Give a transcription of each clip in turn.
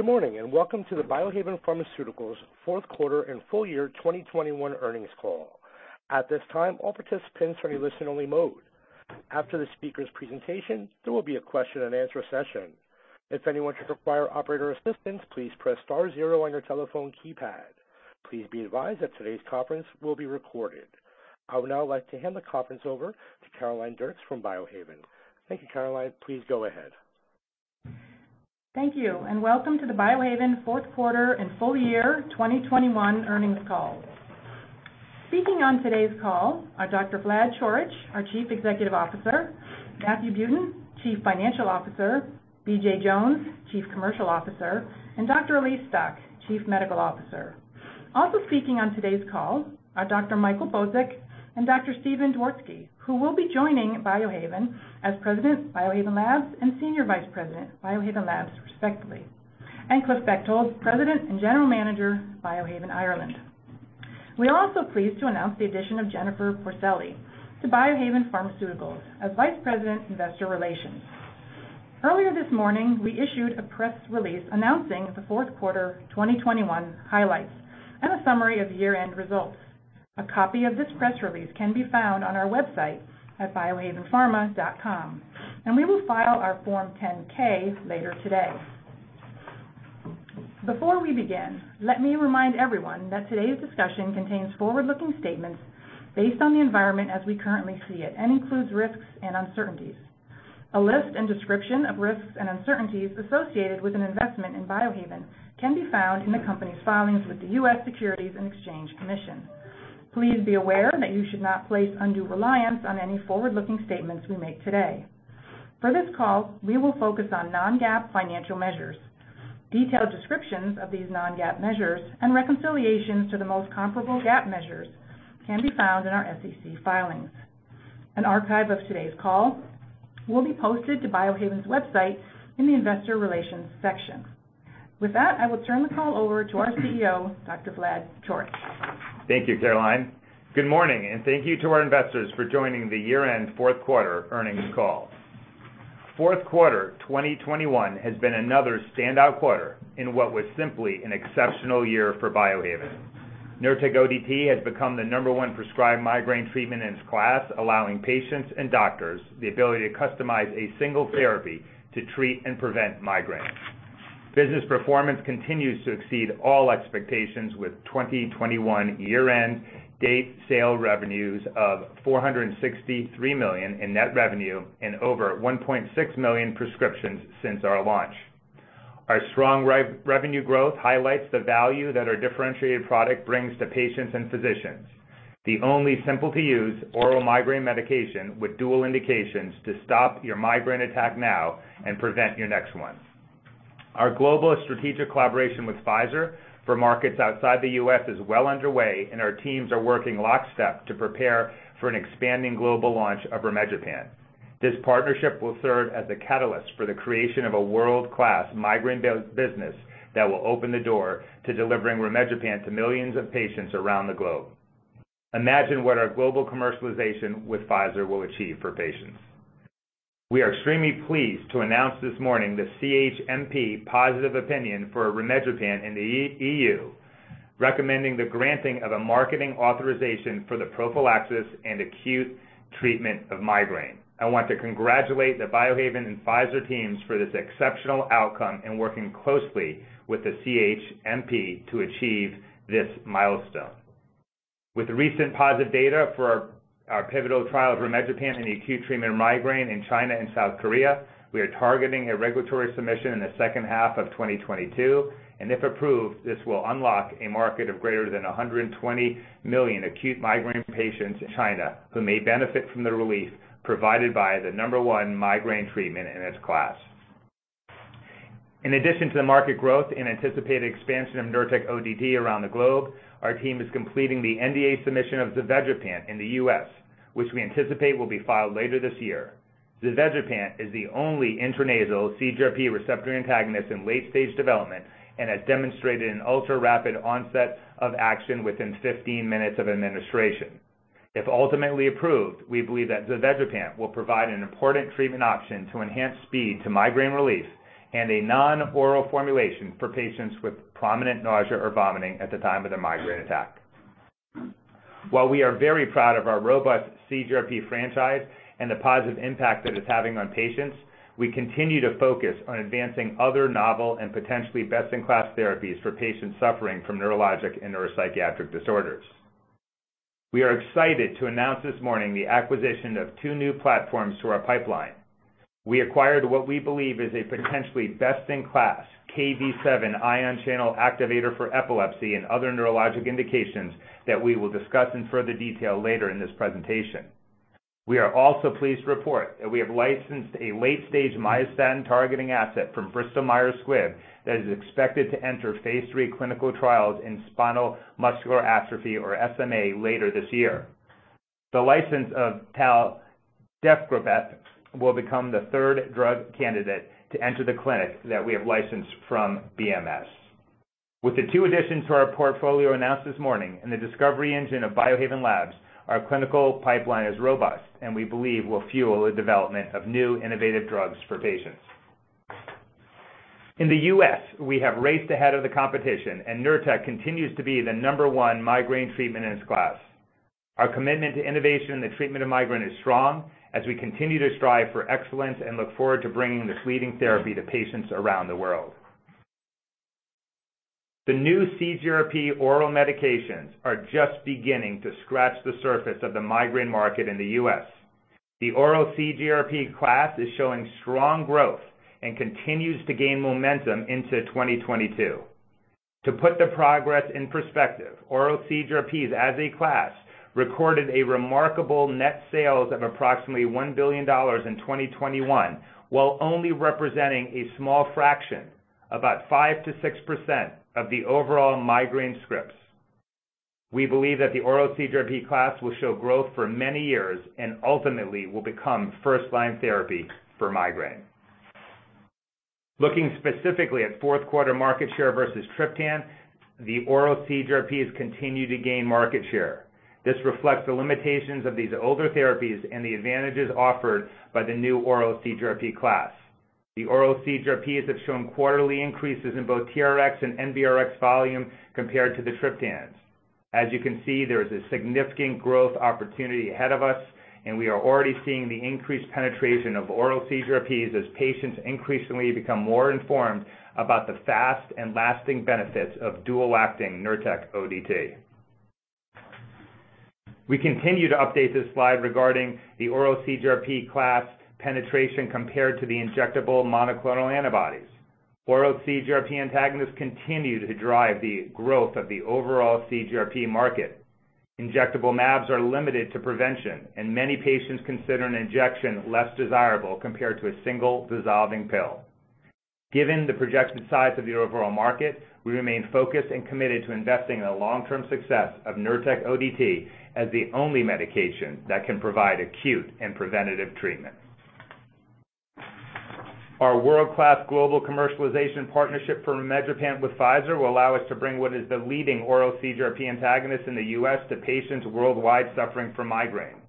Good morning, and welcome to the Biohaven Pharmaceuticals fourth quarter and full year 2021 earnings call. At this time, all participants are in listen only mode. After the speaker's presentation, there will be a question and answer session. If anyone should require operator assistance, please press star zero on your telephone keypad. Please be advised that today's conference will be recorded. I would now like to hand the conference over to Caroline Dircks from Biohaven. Thank you, Caroline. Please go ahead. Thank you, and welcome to the Biohaven fourth quarter and full year 2021 earnings call. Speaking on today's call are Dr. Vlad Coric, our Chief Executive Officer, Matthew Buten, Chief Financial Officer, BJ Jones, Chief Commercial Officer, and Dr. Elyse Stock, Chief Medical Officer. Also speaking on today's call are Dr. Michael Bozik and Dr. Steven Dworetzky, who will be joining Biohaven as President, Biohaven Labs, and Senior Vice President, Biohaven Labs, respectively. Cliff Bechtold, President and General Manager, Biohaven Ireland. We are also pleased to announce the addition of Jennifer Porcelli to Biohaven Pharmaceuticals as Vice President, Investor Relations. Earlier this morning, we issued a press release announcing the fourth quarter 2021 highlights and a summary of year-end results. A copy of this press release can be found on our website at biohavenpharma.com, and we will file our form 10-K later today. Before we begin, let me remind everyone that today's discussion contains forward-looking statements based on the environment as we currently see it, and includes risks and uncertainties. A list and description of risks and uncertainties associated with an investment in Biohaven can be found in the company's filings with the U.S. Securities and Exchange Commission. Please be aware that you should not place undue reliance on any forward-looking statements we make today. For this call, we will focus on non-GAAP financial measures. Detailed descriptions of these non-GAAP measures and reconciliations to the most comparable GAAP measures can be found in our SEC filings. An archive of today's call will be posted to Biohaven's website in the investor relations section. With that, I will turn the call over to our CEO, Dr. Vlad Coric. Thank you, Caroline. Good morning, and thank you to our investors for joining the year-end fourth quarter earnings call. Fourth quarter 2021 has been another standout quarter in what was simply an exceptional year for Biohaven. Nurtec ODT has become the number one prescribed migraine treatment in its class, allowing patients and doctors the ability to customize a single therapy to treat and prevent migraines. Business performance continues to exceed all expectations with 2021 year-to-date sales revenues of $463 million in net revenue and over 1.6 million prescriptions since our launch. Our strong revenue growth highlights the value that our differentiated product brings to patients and physicians. The only simple to use oral migraine medication with dual indications to stop your migraine attack now and prevent your next one. Our global strategic collaboration with Pfizer for markets outside the U.S. is well underway, and our teams are working lockstep to prepare for an expanding global launch of rimegepant. This partnership will serve as the catalyst for the creation of a world-class migraine business that will open the door to delivering rimegepant to millions of patients around the globe. Imagine what our global commercialization with Pfizer will achieve for patients. We are extremely pleased to announce this morning the CHMP positive opinion for rimegepant in the EU, recommending the granting of a marketing authorization for the prophylaxis and acute treatment of migraine. I want to congratulate the Biohaven and Pfizer teams for this exceptional outcome in working closely with the CHMP to achieve this milestone. With the recent positive data for our pivotal trial of rimegepant in the acute treatment of migraine in China and South Korea, we are targeting a regulatory submission in the second half of 2022. If approved, this will unlock a market of greater than 120 million acute migraine patients in China who may benefit from the relief provided by the number one migraine treatment in its class. In addition to the market growth and anticipated expansion of Nurtec ODT around the globe, our team is completing the NDA submission of zavegepant in the U.S., which we anticipate will be filed later this year. Zavegepant is the only intranasal CGRP receptor antagonist in late-stage development and has demonstrated an ultra-rapid onset of action within 15 minutes of administration. If ultimately approved, we believe that zavegepant will provide an important treatment option to enhance speed to migraine relief and a non-oral formulation for patients with prominent nausea or vomiting at the time of their migraine attack. While we are very proud of our robust CGRP franchise and the positive impact that it's having on patients, we continue to focus on advancing other novel and potentially best in class therapies for patients suffering from neurologic and neuropsychiatric disorders. We are excited to announce this morning the acquisition of two new platforms to our pipeline. We acquired what we believe is a potentially best in class Kv7 ion channel activator for epilepsy and other neurologic indications that we will discuss in further detail later in this presentation. We are also pleased to report that we have licensed a late-stage myostatin targeting asset from Bristol Myers Squibb that is expected to enter phase III clinical trials in spinal muscular atrophy or SMA later this year. The license of taldefgrobep alfa will become the third drug candidate to enter the clinic that we have licensed from BMS. With the two additions to our portfolio announced this morning and the discovery engine of Biohaven Labs, our clinical pipeline is robust and we believe will fuel the development of new innovative drugs for patients. In the U.S., we have raced ahead of the competition, and Nurtec continues to be the number one migraine treatment in its class. Our commitment to innovation in the treatment of migraine is strong as we continue to strive for excellence and look forward to bringing this leading therapy to patients around the world. The new CGRP oral medications are just beginning to scratch the surface of the migraine market in the U.S. The oral CGRP class is showing strong growth and continues to gain momentum into 2022. To put the progress in perspective, oral CGRPs as a class recorded a remarkable net sales of approximately $1 billion in 2021 while only representing a small fraction, about 5%-6% of the overall migraine scripts. We believe that the oral CGRP class will show growth for many years and ultimately will become first-line therapy for migraine. Looking specifically at fourth quarter market share versus triptan, the oral CGRPs continue to gain market share. This reflects the limitations of these older therapies and the advantages offered by the new oral CGRP class. The oral CGRPs have shown quarterly increases in both TRX and NBRx volume compared to the triptans. As you can see, there is a significant growth opportunity ahead of us, and we are already seeing the increased penetration of oral CGRPs as patients increasingly become more informed about the fast and lasting benefits of dual-acting Nurtec ODT. We continue to update this slide regarding the oral CGRP class penetration compared to the injectable monoclonal antibodies. Oral CGRP antagonists continue to drive the growth of the overall CGRP market. Injectable mAbs are limited to prevention, and many patients consider an injection less desirable compared to a single dissolving pill. Given the projected size of the overall market, we remain focused and committed to investing in the long-term success of Nurtec ODT as the only medication that can provide acute and preventative treatment. Our world-class global commercialization partnership for rimegepant with Pfizer will allow us to bring what is the leading oral CGRP antagonist in the U.S. to patients worldwide suffering from migraine.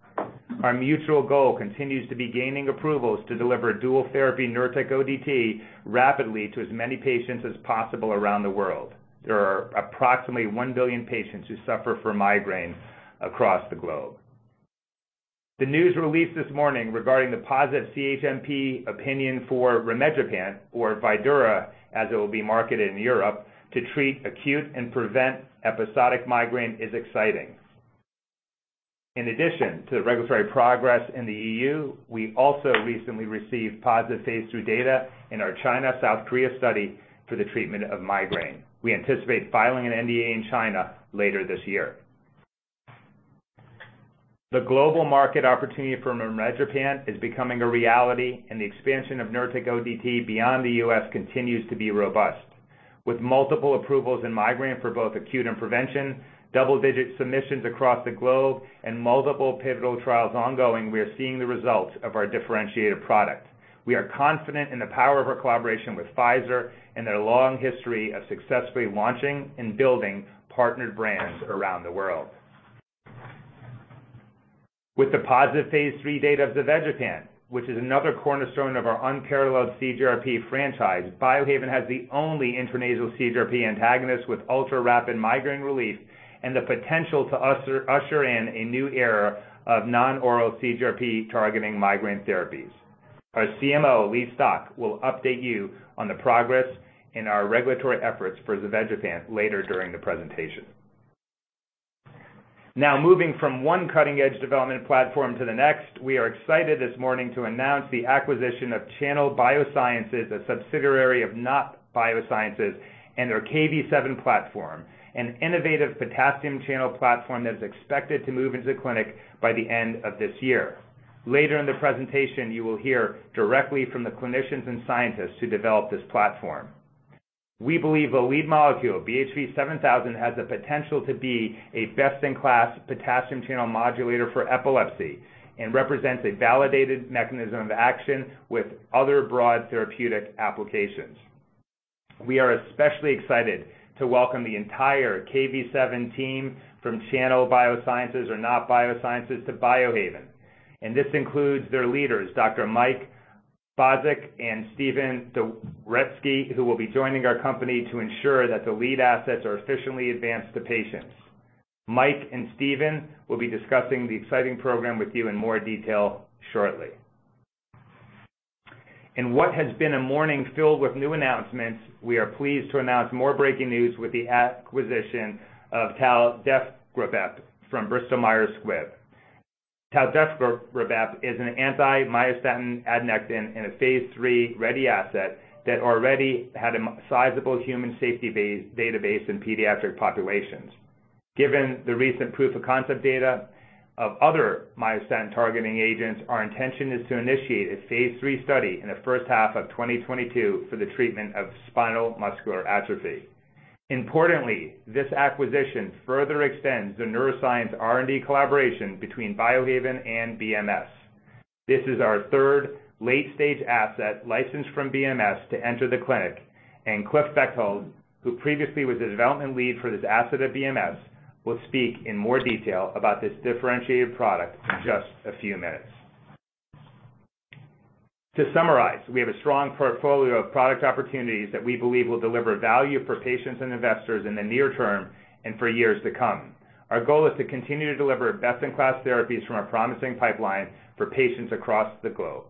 Our mutual goal continues to be gaining approvals to deliver dual therapy Nurtec ODT rapidly to as many patients as possible around the world. There are approximately 1 billion patients who suffer from migraine across the globe. The news release this morning regarding the positive CHMP opinion for rimegepant or VYDURA, as it will be marketed in Europe to treat acute and prevent episodic migraine, is exciting. In addition to the regulatory progress in the EU, we also recently received positive phase II data in our China-South Korea study for the treatment of migraine. We anticipate filing an NDA in China later this year. The global market opportunity for rimegepant is becoming a reality, and the expansion of Nurtec ODT beyond the U.S. continues to be robust. With multiple approvals in migraine for both acute and prevention, double-digit submissions across the globe and multiple pivotal trials ongoing, we are seeing the results of our differentiated product. We are confident in the power of our collaboration with Pfizer and their long history of successfully launching and building partnered brands around the world. With the positive phase III data of zavegepant, which is another cornerstone of our unparalleled CGRP franchise, Biohaven has the only intranasal CGRP antagonist with ultra-rapid migraine relief and the potential to usher in a new era of non-oral CGRP targeting migraine therapies. Our CMO, Elyse Stock, will update you on the progress in our regulatory efforts for zavegepant later during the presentation. Now, moving from one cutting-edge development platform to the next, we are excited this morning to announce the acquisition of Channel Biosciences, a subsidiary of Knopp Biosciences, and their Kv7 platform, an innovative potassium channel platform that is expected to move into the clinic by the end of this year. Later in the presentation, you will hear directly from the clinicians and scientists who developed this platform. We believe the lead molecule, BHV-7000, has the potential to be a best-in-class potassium channel modulator for epilepsy and represents a validated mechanism of action with other broad therapeutic applications. We are especially excited to welcome the entire Kv7 team from Channel Biosciences or Knopp Biosciences to Biohaven, and this includes their leaders, Dr. Michael Bozik and Steven Dworetzky, who will be joining our company to ensure that the lead assets are efficiently advanced to patients. Mike and Steven will be discussing the exciting program with you in more detail shortly. In what has been a morning filled with new announcements, we are pleased to announce more breaking news with the acquisition of taldefgrobep alfa from Bristol Myers Squibb. Taldefgrobep alfa is an anti-myostatin adnectin in a phase III-ready asset that already had a sizable human safety database in pediatric populations. Given the recent proof-of-concept data of other myostatin-targeting agents, our intention is to initiate a phase III study in the first half of 2022 for the treatment of spinal muscular atrophy. Importantly, this acquisition further extends the neuroscience R&D collaboration between Biohaven and BMS. This is our third late-stage asset licensed from BMS to enter the clinic, and Cliff Bechtold, who previously was the development lead for this asset at BMS, will speak in more detail about this differentiated product in just a few minutes. To summarize, we have a strong portfolio of product opportunities that we believe will deliver value for patients and investors in the near term and for years to come. Our goal is to continue to deliver best-in-class therapies from our promising pipeline for patients across the globe.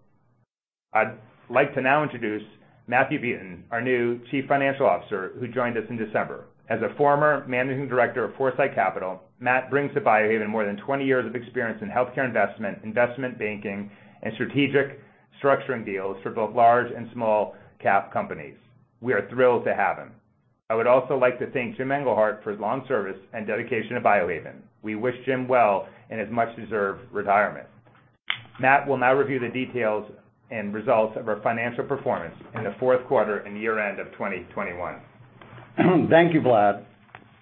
I'd like to now introduce Matthew Buten, our new Chief Financial Officer, who joined us in December. As a former Managing Director of Foresite Capital, Matt brings to Biohaven more than 20 years of experience in healthcare investment banking, and strategic structuring deals for both large and small cap companies. We are thrilled to have him. I would also like to thank Jim Engelhart for his long service and dedication to Biohaven. We wish Jim well in his much-deserved retirement. Matt will now review the details and results of our financial performance in the fourth quarter and year-end of 2021. Thank you, Vlad.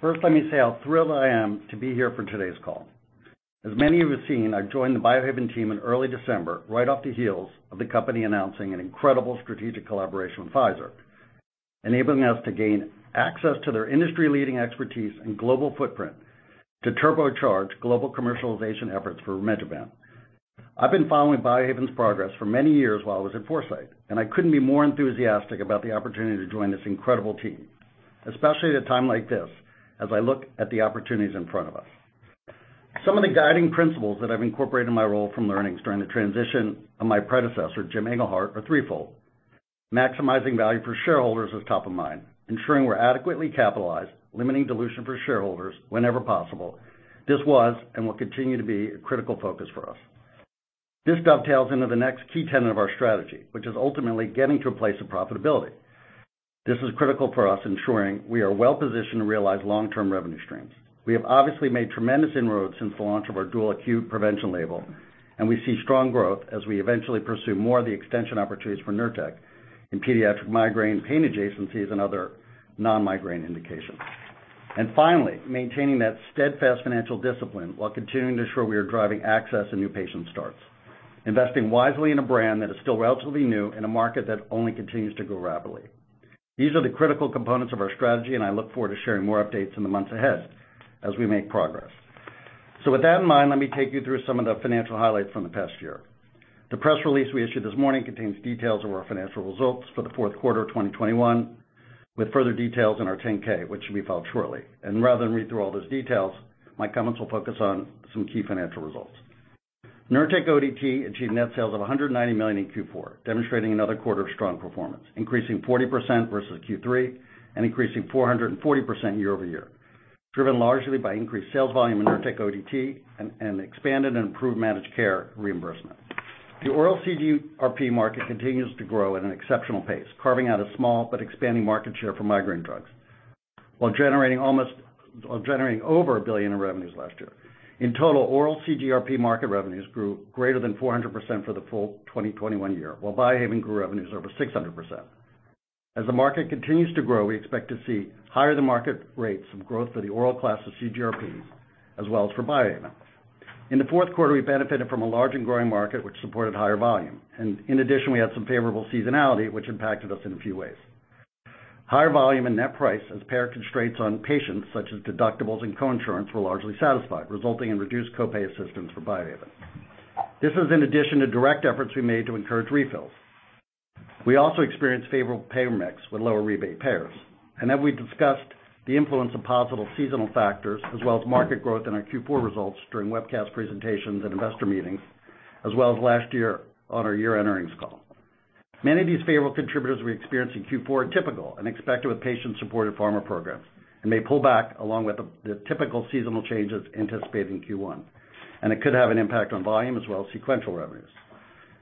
First, let me say how thrilled I am to be here for today's call. As many of you have seen, I joined the Biohaven team in early December, right off the heels of the company announcing an incredible strategic collaboration with Pfizer, enabling us to gain access to their industry-leading expertise and global footprint to turbocharge global commercialization efforts for rimegepant. I've been following Biohaven's progress for many years while I was at Foresite, and I couldn't be more enthusiastic about the opportunity to join this incredible team, especially at a time like this as I look at the opportunities in front of us. Some of the guiding principles that I've incorporated in my role from learnings during the transition of my predecessor, Jim Engelhart, are threefold. Maximizing value for shareholders is top of mind, ensuring we're adequately capitalized, limiting dilution for shareholders whenever possible. This was and will continue to be a critical focus for us. This dovetails into the next key tenet of our strategy, which is ultimately getting to a place of profitability. This is critical for us, ensuring we are well-positioned to realize long-term revenue streams. We have obviously made tremendous inroads since the launch of our dual acute prevention label, and we see strong growth as we eventually pursue more of the extension opportunities for Nurtec in pediatric migraine, pain adjacencies, and other non-migraine indications. Finally, maintaining that steadfast financial discipline while continuing to ensure we are driving access and new patient starts. Investing wisely in a brand that is still relatively new in a market that only continues to grow rapidly. These are the critical components of our strategy, and I look forward to sharing more updates in the months ahead as we make progress. With that in mind, let me take you through some of the financial highlights from the past year. The press release we issued this morning contains details of our financial results for the fourth quarter of 2021, with further details in our 10-K, which should be filed shortly. Rather than read through all those details, my comments will focus on some key financial results. Nurtec ODT achieved net sales of $190 million in Q4, demonstrating another quarter of strong performance, increasing 40% versus Q3, and increasing 440% year-over-year, driven largely by increased sales volume in Nurtec ODT and expanded and improved managed care reimbursement. The oral CGRP market continues to grow at an exceptional pace, carving out a small but expanding market share for migraine drugs, while generating almost While generating over $1 billion in revenues last year. In total, oral CGRP market revenues grew greater than 400% for the full 2021 year, while Biohaven grew revenues over 600%. As the market continues to grow, we expect to see higher-than-market rates of growth for the oral class of CGRPs, as well as for Biohaven. In the fourth quarter, we benefited from a large and growing market, which supported higher volume. In addition, we had some favorable seasonality, which impacted us in a few ways. Higher volume and net price, as payer constraints on patients such as deductibles and coinsurance were largely satisfied, resulting in reduced co-pay assistance for Biohaven. This is in addition to direct efforts we made to encourage refills. We also experienced favorable payer mix with lower rebate payers. We discussed the influence of positive seasonal factors as well as market growth in our Q4 results during webcast presentations and investor meetings, as well as last year on our year-end earnings call. Many of these favorable contributors we experienced in Q4 are typical and expected with patient-supported pharma programs, and may pull back along with the typical seasonal changes anticipated in Q1, and it could have an impact on volume as well as sequential revenues.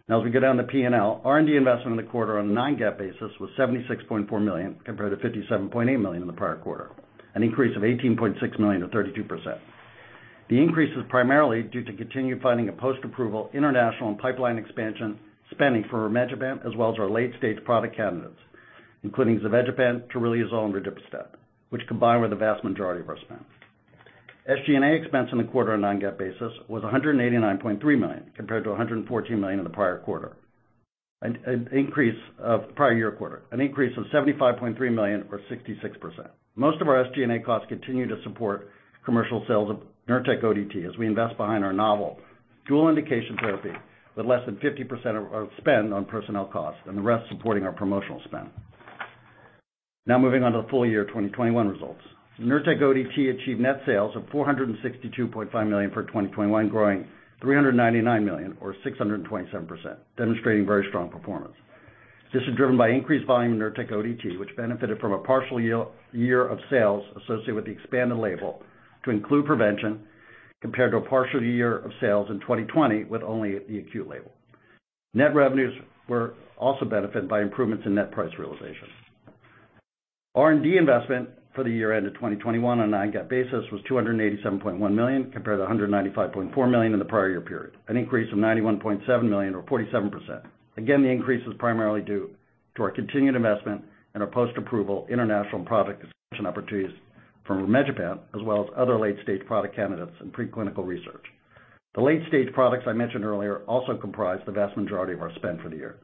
Now as we go down the P&L, R&D investment in the quarter on a non-GAAP basis was $76.4 million, compared to $57.8 million in the prior quarter, an increase of $18.6 million or 32%. The increase is primarily due to continued funding of post-approval international and pipeline expansion spending for rimegepant as well as our late-stage product candidates, including zavegepant, troriluzole, and Verdiperstat, which combine with the vast majority of our spend. SG&A expense in the quarter on non-GAAP basis was $189.3 million, compared to $114 million in the prior quarter. An increase of $75.3 million or 66%. Most of our SG&A costs continue to support commercial sales of Nurtec ODT as we invest behind our novel dual indication therapy with less than 50% of spend on personnel costs and the rest supporting our promotional spend. Now moving on to the full year 2021 results. Nurtec ODT achieved net sales of $462.5 million for 2021, growing $399 million or 627%, demonstrating very strong performance. This is driven by increased volume in Nurtec ODT, which benefited from a partial year of sales associated with the expanded label to include prevention, compared to a partial year of sales in 2020 with only the acute label. Net revenues were also benefited by improvements in net price realization. R&D investment for the year ended 2021 on a non-GAAP basis was $287.1 million, compared to $195.4 million in the prior year period, an increase of $91.7 million or 47%. Again, the increase was primarily due to our continued investment in our post-approval international and product expansion opportunities from rimegepant as well as other late-stage product candidates in preclinical research. The late-stage products I mentioned earlier also comprise the vast majority of our spend for the year.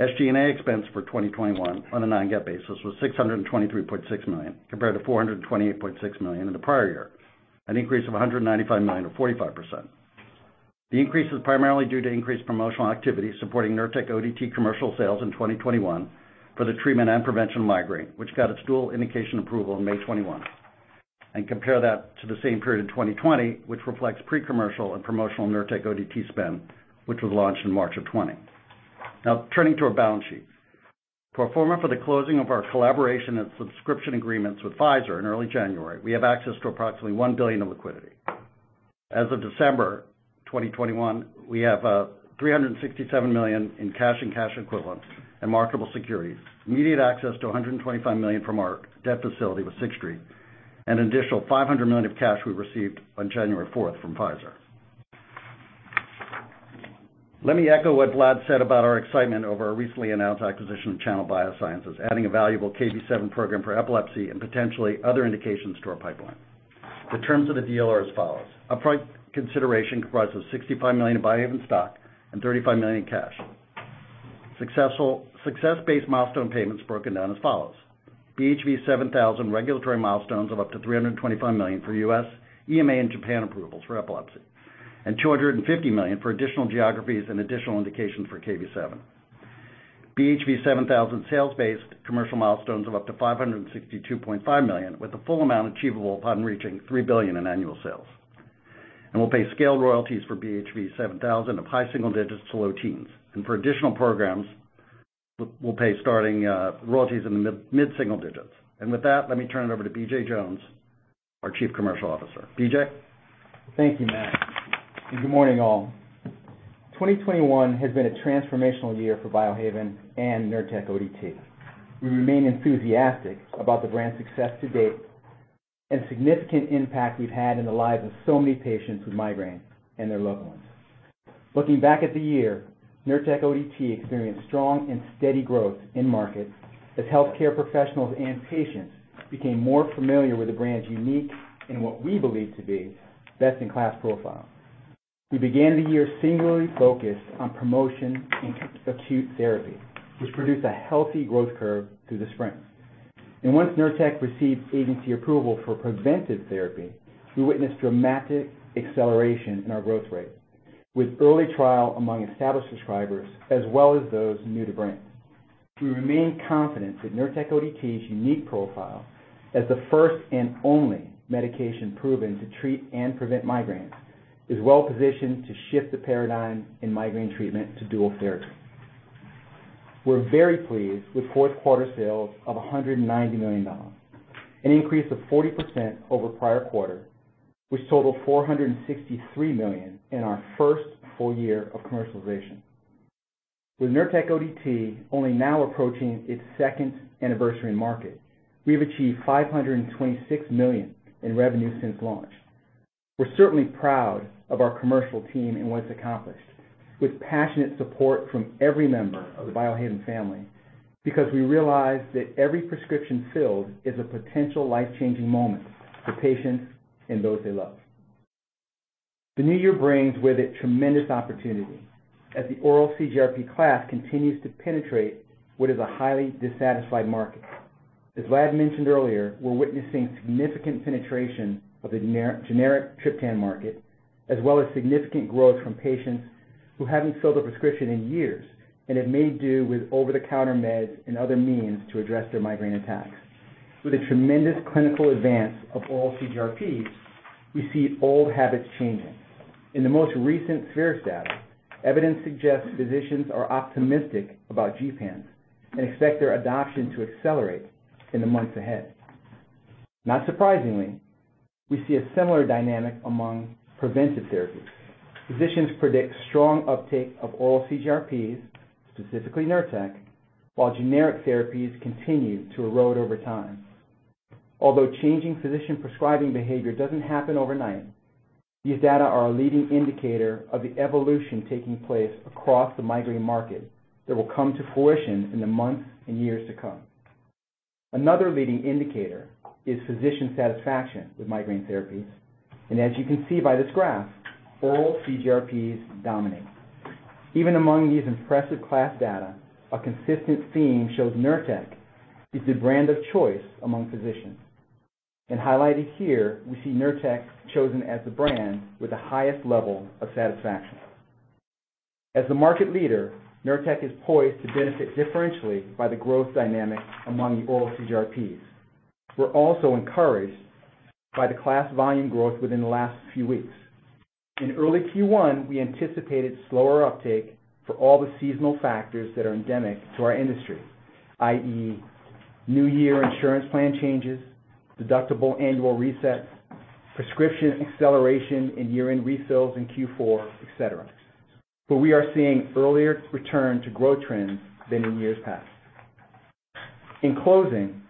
SG&A expense for 2021 on a non-GAAP basis was $623.6 million, compared to $428.6 million in the prior year, an increase of $195 million, or 45%. The increase was primarily due to increased promotional activity supporting Nurtec ODT commercial sales in 2021 for the treatment and prevention of migraine, which got its dual indication approval on May 21. Compare that to the same period in 2020, which reflects pre-commercial and promotional Nurtec ODT spend, which was launched in March 2020. Now turning to our balance sheet. Pro forma for the closing of our collaboration and subscription agreements with Pfizer in early January, we have access to approximately $1 billion in liquidity. As of December 2021, we have $367 million in cash and cash equivalents and marketable securities, immediate access to $125 million from our debt facility with Sixth Street, and an additional $500 million of cash we received on January 4th from Pfizer. Let me echo what Vlad said about our excitement over our recently announced acquisition of Channel Biosciences, adding a valuable Kv7 program for epilepsy and potentially other indications to our pipeline. The terms of the deal are as follows. Upfront consideration comprises $65 million of Biohaven stock and $35 million in cash. Success-based milestone payments broken down as follows: BHV-7000 regulatory milestones of up to $325 million for U.S., EMA, and Japan approvals for epilepsy, and $250 million for additional geographies and additional indications for Kv7. BHV-7000 sales-based commercial milestones of up to $562.5 million, with the full amount achievable upon reaching $3 billion in annual sales. We'll pay scaled royalties for BHV-7000 of high single digits to low teens. For additional programs, we'll pay starting royalties in the mid single digits. With that, let me turn it over to BJ Jones, our Chief Commercial Officer. BJ? Thank you, Matt, and good morning, all. 2021 has been a transformational year for Biohaven and Nurtec ODT. We remain enthusiastic about the brand's success to date and the significant impact we've had in the lives of so many patients with migraine and their loved ones. Looking back at the year, Nurtec ODT experienced strong and steady growth in market as healthcare professionals and patients became more familiar with the brand's unique and what we believe to be best-in-class profile. We began the year singularly focused on promotion in acute therapy, which produced a healthy growth curve through the spring. Once Nurtec received agency approval for preventive therapy, we witnessed dramatic acceleration in our growth rate with early traction among established prescribers, as well as those new-to-brand. We remain confident that Nurtec ODT's unique profile, as the first and only medication proven to treat and prevent migraines, is well-positioned to shift the paradigm in migraine treatment to dual therapy. We're very pleased with fourth quarter sales of $190 million, an increase of 40% over prior quarter, which totaled $463 million in our first full year of commercialization. With Nurtec ODT only now approaching its second anniversary in market, we have achieved $526 million in revenue since launch. We're certainly proud of our commercial team and what it's accomplished with passionate support from every member of the Biohaven family, because we realize that every prescription filled is a potential life-changing moment for patients and those they love. The new year brings with it tremendous opportunity as the oral CGRP class continues to penetrate what is a highly dissatisfied market. As Vlad mentioned earlier, we're witnessing significant penetration of the generic triptan market, as well as significant growth from patients who haven't filled a prescription in years and have made do with over-the-counter meds and other means to address their migraine attacks. With the tremendous clinical advance of oral CGRPs, we see old habits changing. In the most recent Spherix data, evidence suggests physicians are optimistic about gepants and expect their adoption to accelerate in the months ahead. Not surprisingly, we see a similar dynamic among preventive therapies. Physicians predict strong uptake of oral CGRPs, specifically Nurtec, while generic therapies continue to erode over time. Although changing physician prescribing behavior doesn't happen overnight, these data are a leading indicator of the evolution taking place across the migraine market that will come to fruition in the months and years to come. Another leading indicator is physician satisfaction with migraine therapies, and as you can see by this graph, oral CGRPs dominate. Even among these impressive class data, a consistent theme shows Nurtec is the brand of choice among physicians. Highlighted here, we see Nurtec chosen as the brand with the highest level of satisfaction. As the market leader, Nurtec is poised to benefit differentially by the growth dynamic among the oral CGRPs. We're also encouraged by the class volume growth within the last few weeks. In early Q1, we anticipated slower uptake for all the seasonal factors that are endemic to our industry, i.e., new year insurance plan changes, deductible annual resets, prescription acceleration in year-end refills in Q4, et cetera. We are seeing earlier return to growth trends than in years past. In closing,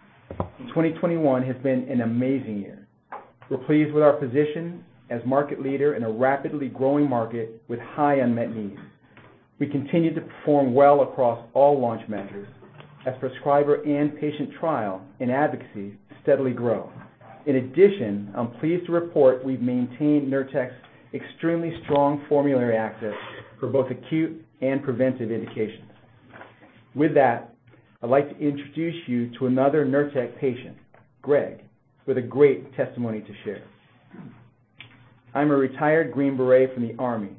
2021 has been an amazing year. We're pleased with our position as market leader in a rapidly growing market with high unmet needs. We continue to perform well across all launch measures as prescriber and patient trial and advocacy steadily grow. In addition, I'm pleased to report we've maintained Nurtec's extremely strong formulary access for both acute and preventive indications. With that, I'd like to introduce you to another Nurtec patient, Greg, with a great testimony to share. "I'm a retired Green Beret from the Army.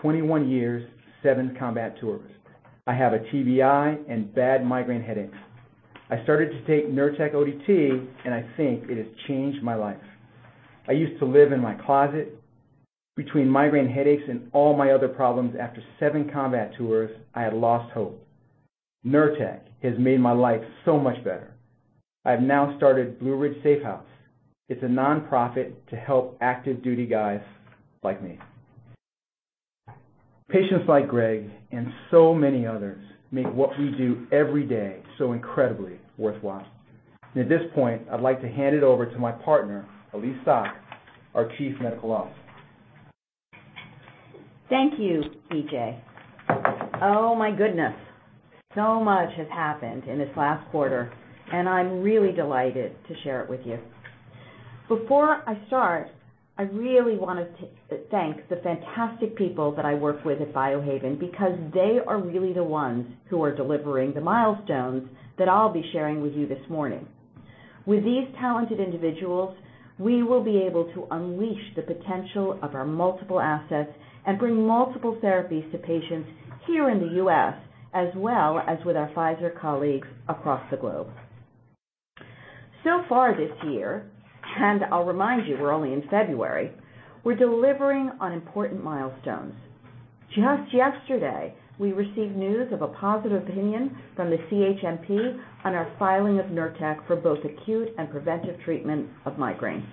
21 years, seven combat tours. I have a TBI and bad migraine headaches. I started to take Nurtec ODT, and I think it has changed my life. I used to live in my closet. Between migraine headaches and all my other problems after seven combat tours, I had lost hope. Nurtec has made my life so much better. I've now started Blue Ridge Safehouse. It's a nonprofit to help active duty guys like me. Patients like Greg and so many others make what we do every day so incredibly worthwhile. At this point, I'd like to hand it over to my partner, Elyse Stock, our Chief Medical Officer. Thank you, BJ. Oh my goodness, so much has happened in this last quarter, and I'm really delighted to share it with you. Before I start, I really want to thank the fantastic people that I work with at Biohaven, because they are really the ones who are delivering the milestones that I'll be sharing with you this morning. With these talented individuals, we will be able to unleash the potential of our multiple assets and bring multiple therapies to patients here in the U.S., as well as with our Pfizer colleagues across the globe. So far this year, and I'll remind you, we're only in February, we're delivering on important milestones. Just yesterday, we received news of a positive opinion from the CHMP on our filing of Nurtec for both acute and preventive treatment of migraine.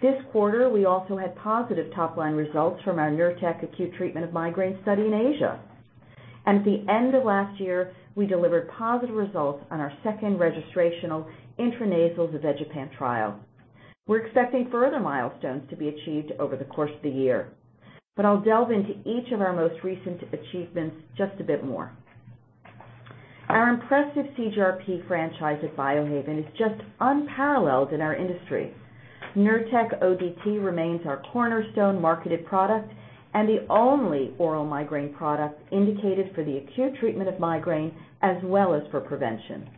This quarter, we also had positive top-line results from our Nurtec acute treatment of migraine study in Asia. At the end of last year, we delivered positive results on our second registrational intranasal zavegepant trial. We're expecting further milestones to be achieved over the course of the year, but I'll delve into each of our most recent achievements just a bit more. Our impressive CGRP franchise at Biohaven is just unparalleled in our industry. Nurtec ODT remains our cornerstone marketed product and the only oral migraine product indicated for the acute treatment of migraine, as well as for prevention.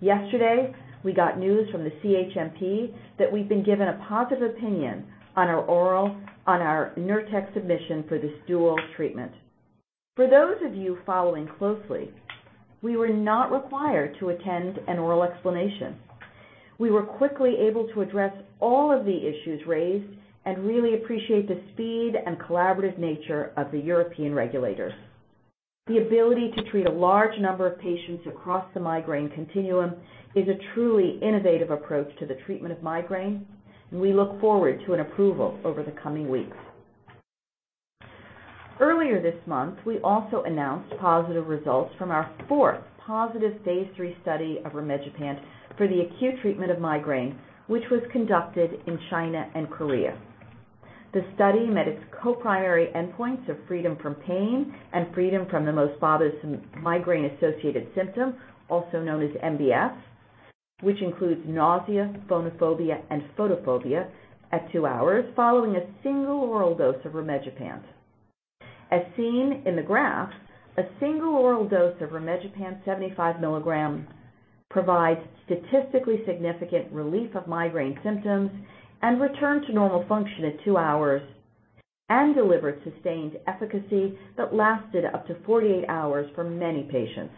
Yesterday, we got news from the CHMP that we've been given a positive opinion on our Nurtec submission for this dual treatment. For those of you following closely, we were not required to attend an oral explanation. We were quickly able to address all of the issues raised and really appreciate the speed and collaborative nature of the European regulators. The ability to treat a large number of patients across the migraine continuum is a truly innovative approach to the treatment of migraine, and we look forward to an approval over the coming weeks. Earlier this month, we also announced positive results from our fourth positive phase III study of rimegepant for the acute treatment of migraine, which was conducted in China and Korea. The study met its co-primary endpoints of freedom from pain and freedom from the most bothersome migraine-associated symptom, also known as MBS, which includes nausea, phonophobia, and photophobia at two hours following a single oral dose of rimegepant. As seen in the graph, a single oral dose of rimegepant 75 milligrams provides statistically significant relief of migraine symptoms and return to normal function at two hours and delivered sustained efficacy that lasted up to 48 hours for many patients.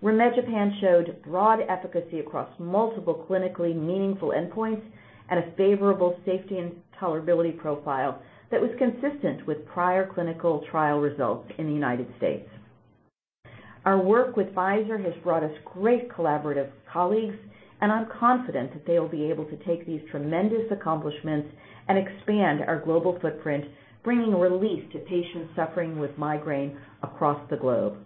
Rimegepant showed broad efficacy across multiple clinically meaningful endpoints at a favorable safety and tolerability profile that was consistent with prior clinical trial results in the United States. Our work with Pfizer has brought us great collaborative colleagues, and I'm confident that they will be able to take these tremendous accomplishments and expand our global footprint, bringing relief to patients suffering with migraine across the globe.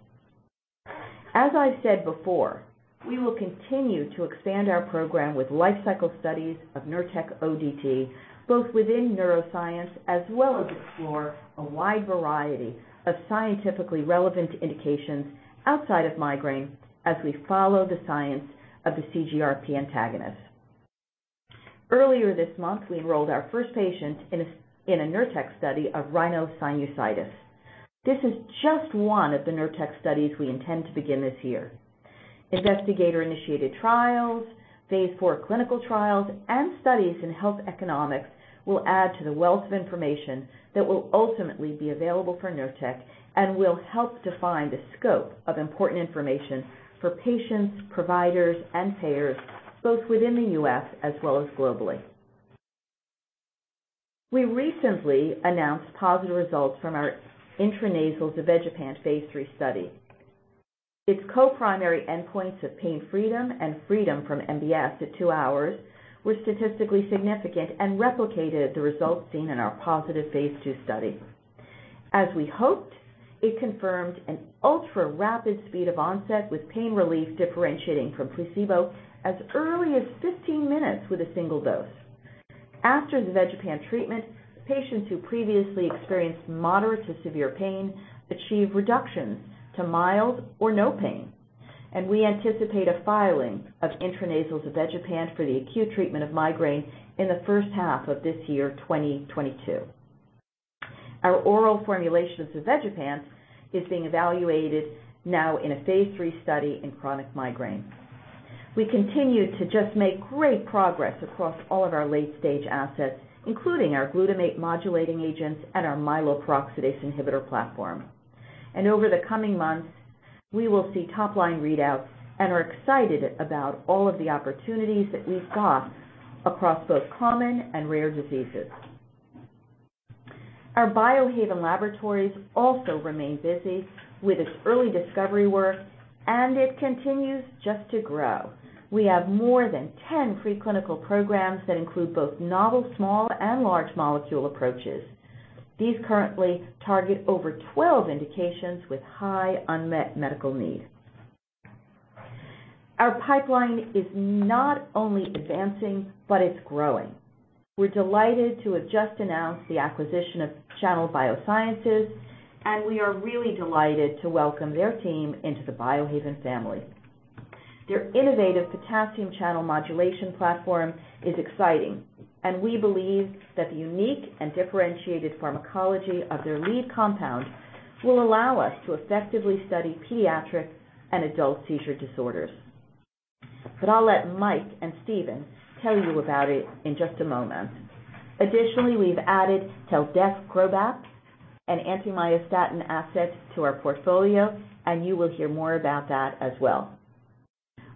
As I've said before, we will continue to expand our program with life cycle studies of Nurtec ODT, both within neuroscience as well as explore a wide variety of scientifically relevant indications outside of migraine as we follow the science of the CGRP antagonist. Earlier this month, we enrolled our first patient in a Nurtec study of rhinosinusitis. This is just one of the Nurtec studies we intend to begin this year. Investigator-initiated trials, phase IV clinical trials, and studies in health economics will add to the wealth of information that will ultimately be available for Nurtec and will help define the scope of important information for patients, providers, and payers, both within the U.S. as well as globally. We recently announced positive results from our intranasal zavegepant phase III study. Its co-primary endpoints of pain freedom and freedom from MBS at two hours were statistically significant and replicated the results seen in our positive phase II study. As we hoped, it confirmed an ultra-rapid speed of onset with pain relief differentiating from placebo as early as 15 minutes with a single dose. After the zavegepant treatment, patients who previously experienced moderate to severe pain achieved reductions to mild or no pain. We anticipate a filing of intranasal zavegepant for the acute treatment of migraine in the first half of this year, 2022. Our oral formulation of zavegepant is being evaluated now in a phase III study in chronic migraine. We continue to just make great progress across all of our late-stage assets, including our glutamate modulating agents and our myeloperoxidase inhibitor platform. Over the coming months, we will see top-line readouts and are excited about all of the opportunities that we've got across both common and rare diseases. Our Biohaven Labs also remain busy with its early discovery work, and it continues just to grow. We have more than 10 pre-clinical programs that include both novel small and large molecule approaches. These currently target over 12 indications with high unmet medical needs. Our pipeline is not only advancing, but it's growing. We're delighted to have just announced the acquisition of Channel Biosciences, and we are really delighted to welcome their team into the Biohaven family. Their innovative potassium channel modulation platform is exciting, and we believe that the unique and differentiated pharmacology of their lead compound will allow us to effectively study pediatric and adult seizure disorders. I'll let Mike and Steven tell you about it in just a moment. Additionally, we've added taldefgrobep, Crobac, and anti-myostatin assets to our portfolio, and you will hear more about that as well.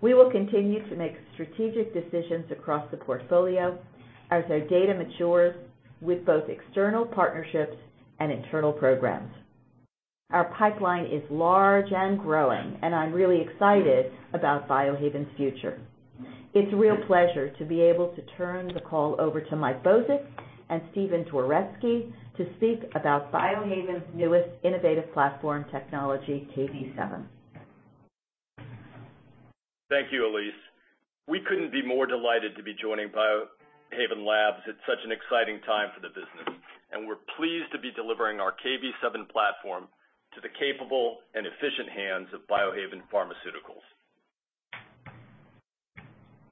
We will continue to make strategic decisions across the portfolio as our data matures with both external partnerships and internal programs. Our pipeline is large and growing, and I'm really excited about Biohaven's future. It's a real pleasure to be able to turn the call over to Mike Bozik and Steven Dworetzky to speak about Biohaven's newest innovative platform technology, Kv7. Thank you, Elyse. We couldn't be more delighted to be joining Biohaven Labs at such an exciting time for the business, and we're pleased to be delivering our Kv7 platform to the capable and efficient hands of Biohaven Pharmaceuticals.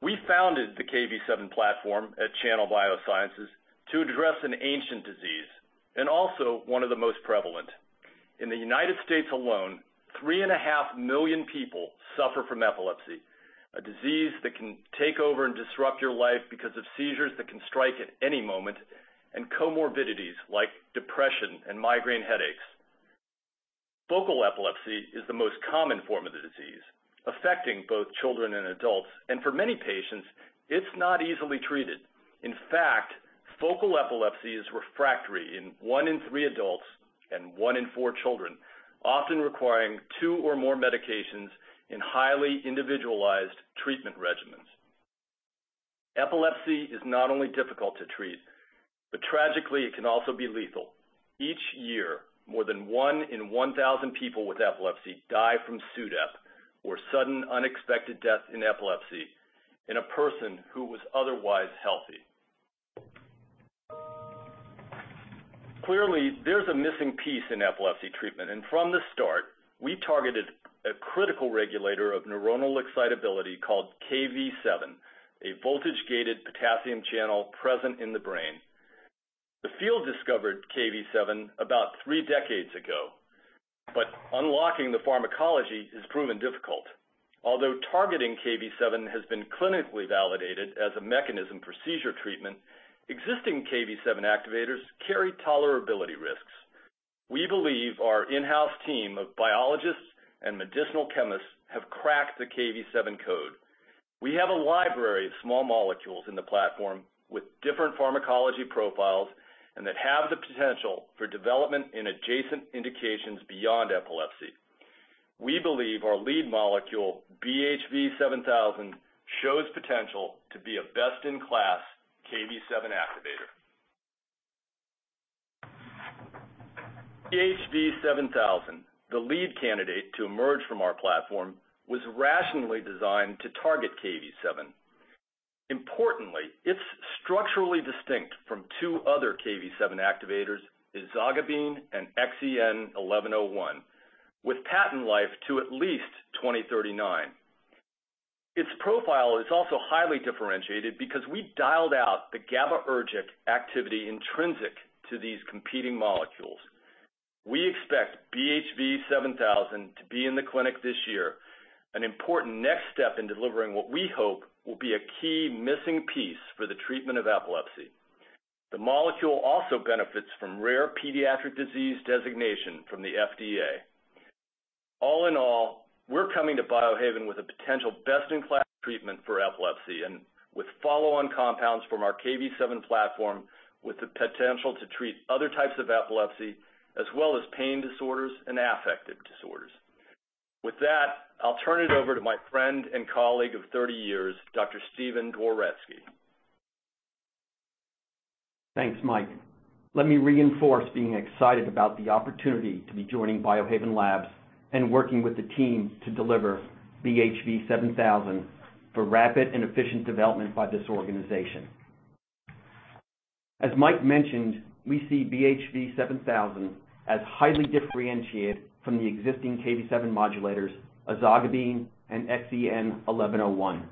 We founded the Kv7 platform at Channel Biosciences to address an ancient disease and also one of the most prevalent. In the United States alone, 3.5 million people suffer from epilepsy, a disease that can take over and disrupt your life because of seizures that can strike at any moment, and comorbidities like depression and migraine headaches. Focal epilepsy is the most common form of the disease, affecting both children and adults, and for many patients, it's not easily treated. In fact, focal epilepsy is refractory in one in three adults and one in four children, often requiring two or more medications in highly individualized treatment regimens. Epilepsy is not only difficult to treat, but tragically, it can also be lethal. Each year, more than one in 1,000 people with epilepsy die from SUDEP, or sudden unexpected death in epilepsy, in a person who was otherwise healthy. Clearly, there's a missing piece in epilepsy treatment, and from the start, we targeted a critical regulator of neuronal excitability called Kv7, a voltage-gated potassium channel present in the brain. The field discovered Kv7 about three decades ago, but unlocking the pharmacology has proven difficult. Although targeting Kv7 has been clinically validated as a mechanism for seizure treatment, existing Kv7 activators carry tolerability risks. We believe our in-house team of biologists and medicinal chemists have cracked the Kv7 code. We have a library of small molecules in the platform with different pharmacology profiles and that have the potential for development in adjacent indications beyond epilepsy. We believe our lead molecule, BHV7000, shows potential to be a best-in-class Kv7 activator. BHV7000, the lead candidate to emerge from our platform, was rationally designed to target Kv7. Importantly, it's structurally distinct from two other Kv7 activators, ezogabine and XEN1101, with patent life to at least 2039. Its profile is also highly differentiated because we dialed out the GABAergic activity intrinsic to these competing molecules. We expect BHV7000 to be in the clinic this year, an important next step in delivering what we hope will be a key missing piece for the treatment of epilepsy. The molecule also benefits from rare pediatric disease designation from the FDA. All in all, we're coming to Biohaven with a potential best-in-class treatment for epilepsy and with follow-on compounds from our Kv7 platform with the potential to treat other types of epilepsy as well as pain disorders and affective disorders. With that, I'll turn it over to my friend and colleague of 30 years, Dr. Steven Dworetzky. Thanks, Mike. Let me reinforce being excited about the opportunity to be joining Biohaven Labs and working with the team to deliver BHV-7000 for rapid and efficient development by this organization. As Mike mentioned, we see BHV-7000 as highly differentiated from the existing Kv7 modulators, ezogabine and XEN1101.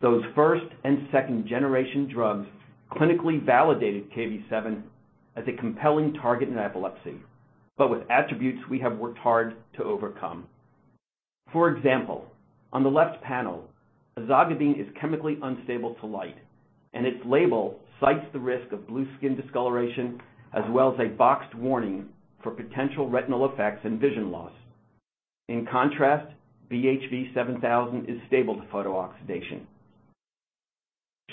Those first- and second-generation drugs clinically validated Kv7 as a compelling target in epilepsy, but with attributes we have worked hard to overcome. For example, on the left panel, ezogabine is chemically unstable to light, and its label cites the risk of blue skin discoloration, as well as a boxed warning for potential retinal effects and vision loss. In contrast, BHV-7000 is stable to photooxidation.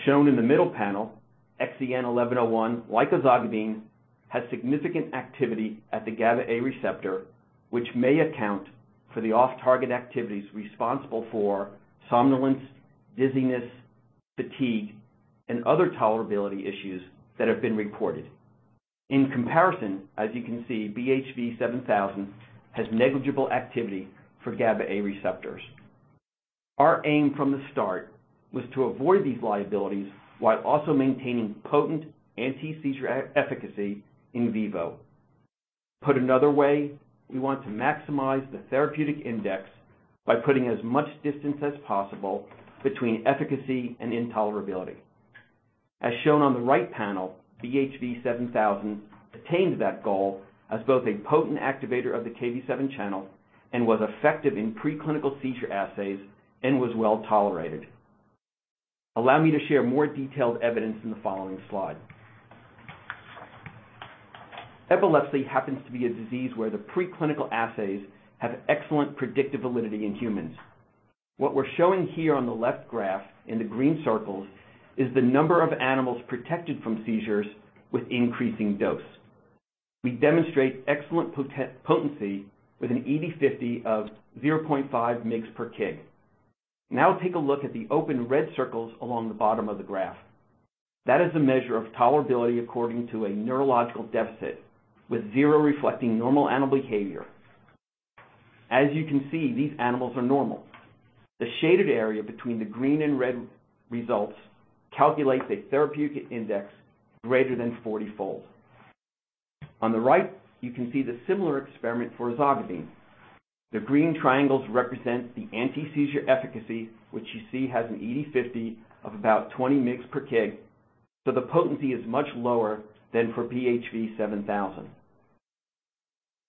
Shown in the middle panel, XEN1101, like ezogabine, has significant activity at the GABA A receptor, which may account for the off-target activities responsible for somnolence, dizziness, fatigue, and other tolerability issues that have been reported. In comparison, as you can see, BHV-7000 has negligible activity for GABA A receptors. Our aim from the start was to avoid these liabilities while also maintaining potent anti-seizure efficacy in vivo. Put another way, we want to maximize the therapeutic index by putting as much distance as possible between efficacy and intolerability. As shown on the right panel, BHV-7000 attains that goal as both a potent activator of the Kv7 channel and was effective in preclinical seizure assays and was well-tolerated. Allow me to share more detailed evidence in the following slide. Epilepsy happens to be a disease where the preclinical assays have excellent predictive validity in humans. What we're showing here on the left graph in the green circles is the number of animals protected from seizures with increasing dose. We demonstrate excellent potency with an ED50 of 0.5 mg/kg. Now take a look at the open red circles along the bottom of the graph. That is the measure of tolerability according to a neurological deficit, with zero reflecting normal animal behavior. As you can see, these animals are normal. The shaded area between the green and red results calculates a therapeutic index greater than 40-fold. On the right, you can see the similar experiment for ezogabine. The green triangles represent the anti-seizure efficacy, which you see has an ED50 of about 20 mg/kg, so the potency is much lower than for BHV-7000.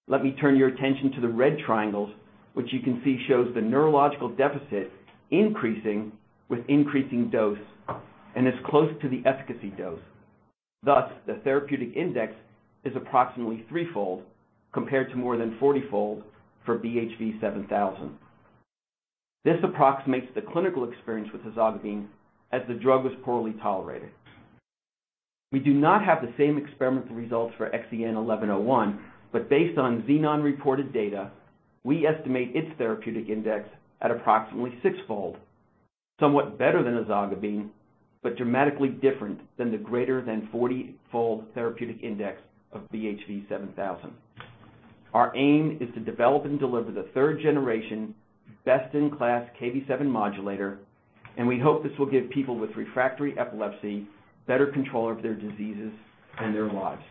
Let me turn your attention to the red triangles, which you can see shows the neurological deficit increasing with increasing dose and is close to the efficacy dose. Thus, the therapeutic index is approximately three fold compared to more than 40-fold for BHV-7000. This approximates the clinical experience with ezogabine as the drug was poorly tolerated. We do not have the same experimental results for XEN1101, but based on Xenon reported data, we estimate its therapeutic index at approximately six fold, somewhat better than ezogabine, but dramatically different than the greater than 40-fold therapeutic index of BHV-7000. Our aim is to develop and deliver the third-generation best-in-class Kv7 modulator, and we hope this will give people with refractory epilepsy better control of their diseases and their lives.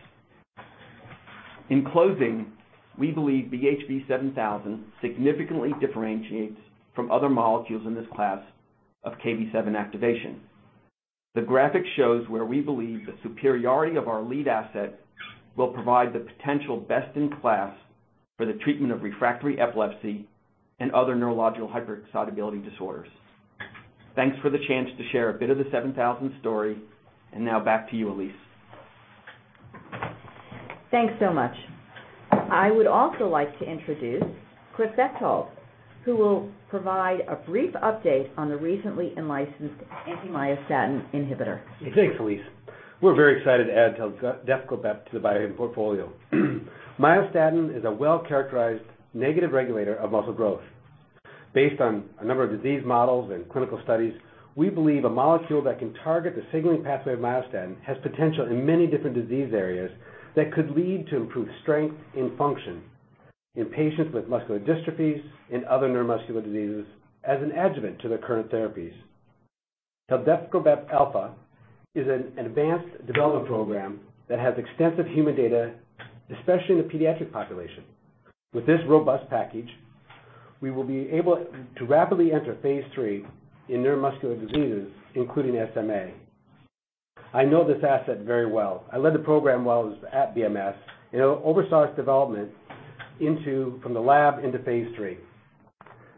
In closing, we believe BHV-7000 significantly differentiates from other molecules in this class of Kv7 activation. The graphic shows where we believe the superiority of our lead asset will provide the potential best-in-class for the treatment of refractory epilepsy and other neurological hyperexcitability disorders. Thanks for the chance to share a bit of the BHV-7000 story. Now back to you, Elyse. Thanks so much. I would also like to introduce Cliff Bechtold, who will provide a brief update on the recently licensed anti-myostatin inhibitor. Thanks, Elyse. We're very excited to add taldefgrobep alfa to the Biohaven portfolio. Myostatin is a well-characterized negative regulator of muscle growth. Based on a number of disease models and clinical studies, we believe a molecule that can target the signaling pathway of myostatin has potential in many different disease areas that could lead to improved strength and function in patients with muscular dystrophies and other neuromuscular diseases as an adjuvant to their current therapies. Taldefgrobep alfa is an advanced development program that has extensive human data, especially in the pediatric population. With this robust package, we will be able to rapidly enter phase III in neuromuscular diseases, including SMA. I know this asset very well. I led the program while I was at BMS and oversaw its development from the lab into phase III.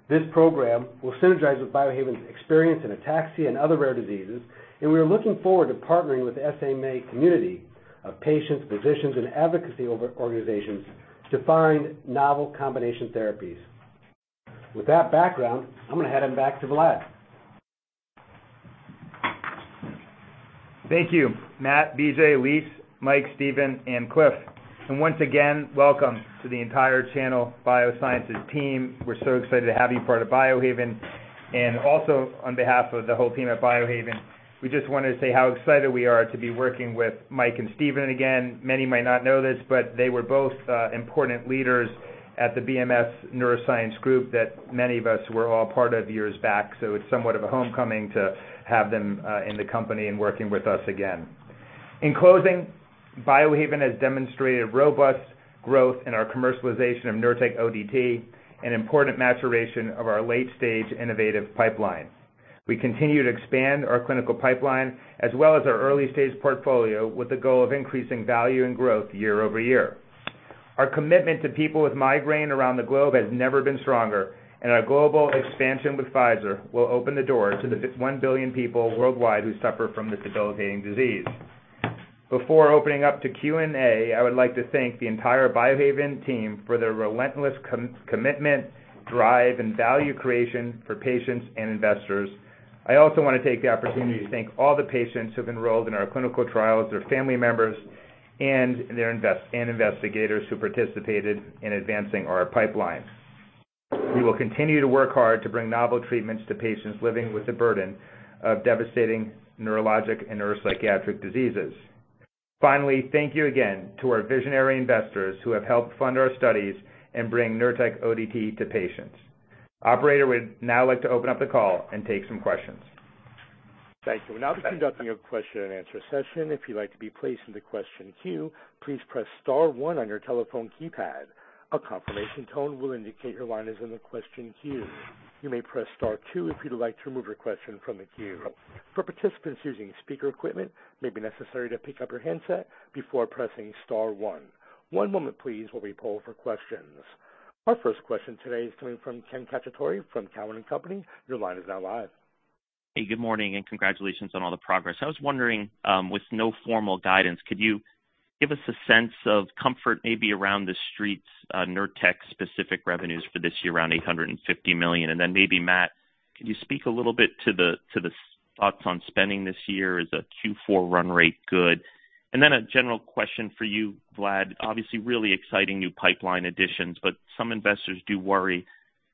This program will synergize with Biohaven's experience in ataxia and other rare diseases, and we are looking forward to partnering with the SMA community of patients, physicians, and advocacy organizations to find novel combination therapies. With that background, I'm gonna hand it back to Vlad. Thank you, Matt, BJ, Elyse, Mike, Steven, and Cliff. Once again, welcome to the entire Channel Biosciences team. We're so excited to have you part of Biohaven. Also on behalf of the whole team at Biohaven, we just wanted to say how excited we are to be working with Mike and Steven again. Many might not know this, but they were both important leaders at the BMS Neuroscience Group that many of us were all part of years back. It's somewhat of a homecoming to have them in the company and working with us again. In closing, Biohaven has demonstrated robust growth in our commercialization of Nurtec ODT, an important maturation of our late-stage innovative pipeline. We continue to expand our clinical pipeline as well as our early-stage portfolio with the goal of increasing value and growth year-over-year. Our commitment to people with migraine around the globe has never been stronger, and our global expansion with Pfizer will open the door to the 1 billion people worldwide who suffer from this debilitating disease. Before opening up to Q&A, I would like to thank the entire Biohaven team for their relentless commitment, drive, and value creation for patients and investors. I also wanna take the opportunity to thank all the patients who've enrolled in our clinical trials, their family members and investigators who participated in advancing our pipeline. We will continue to work hard to bring novel treatments to patients living with the burden of devastating neurologic and neuropsychiatric diseases. Finally, thank you again to our visionary investors who have helped fund our studies and bring Nurtec ODT to patients. Operator, we'd now like to open up the call and take some questions. Thank you. We're now conducting a question and answer session. If you'd like to be placed in the question queue, please press star one on your telephone keypad. A confirmation tone will indicate your line is in the question queue. You may press star two if you'd like to remove your question from the queue. For participants using speaker equipment, it may be necessary to pick up your handset before pressing star one. One moment please while we poll for questions. Our first question today is coming from Ken Cacciatore from Cowen and Company. Your line is now live. Hey, good morning, and congratulations on all the progress. I was wondering, with no formal guidance, could you give us a sense of comfort maybe around the street's Nurtec specific revenues for this year around $850 million? And then maybe, Matt, can you speak a little bit to the thoughts on spending this year? Is a Q4 run rate good? And then a general question for you, Vlad. Obviously, really exciting new pipeline additions, but some investors do worry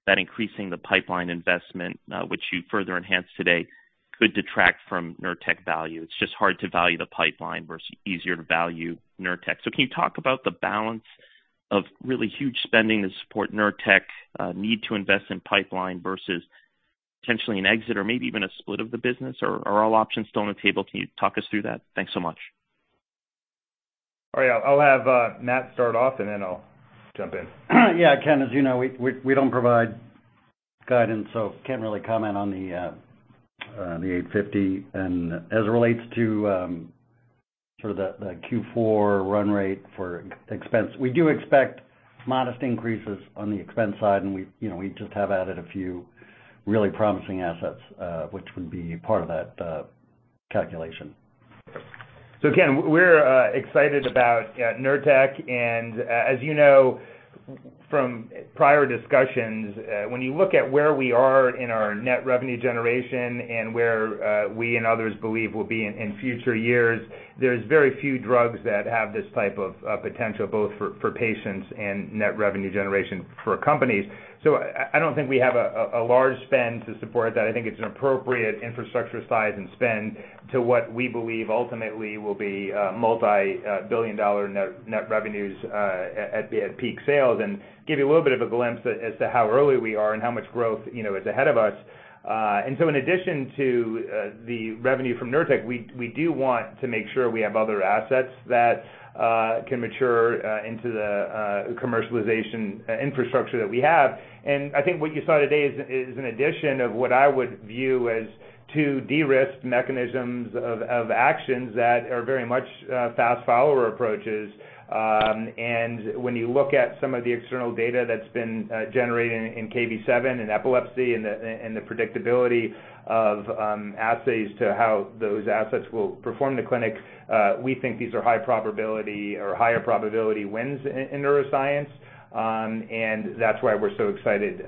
that increasing the pipeline investment, which you further enhanced today, could detract from Nurtec value. It's just hard to value the pipeline versus easier to value Nurtec. Can you talk about the balance of really huge spending to support Nurtec, need to invest in pipeline versus potentially an exit or maybe even a split of the business? Are all options still on the table? Can you talk us through that? Thanks so much. All right. I'll have, Matt start off, and then I'll jump in. Yeah, Ken, as you know, we don't provide guidance, so can't really comment on the $850. As it relates to sort of the Q4 run rate for expense, we do expect modest increases on the expense side, and we, you know, just have added a few really promising assets, which would be part of that calculation. Ken, we're excited about Nurtec. As you know from prior discussions, when you look at where we are in our net revenue generation and where we and others believe we'll be in future years, there are very few drugs that have this type of potential, both for patients and net revenue generation for companies. I don't think we have a large spend to support that. I think it's an appropriate infrastructure size and spend to what we believe ultimately will be multi-billion-dollar net revenues at peak sales, and give you a little bit of a glimpse as to how early we are and how much growth, you know, is ahead of us. In addition to the revenue from Nurtec, we do want to make sure we have other assets that can mature into the commercialization infrastructure that we have. I think what you saw today is an addition of what I would view as two de-risk mechanisms of actions that are very much fast follower approaches. When you look at some of the external data that's been generated in Kv7 and epilepsy and the predictability of assays to how those assets will perform in the clinic, we think these are high probability or higher probability wins in neuroscience. That's why we're so excited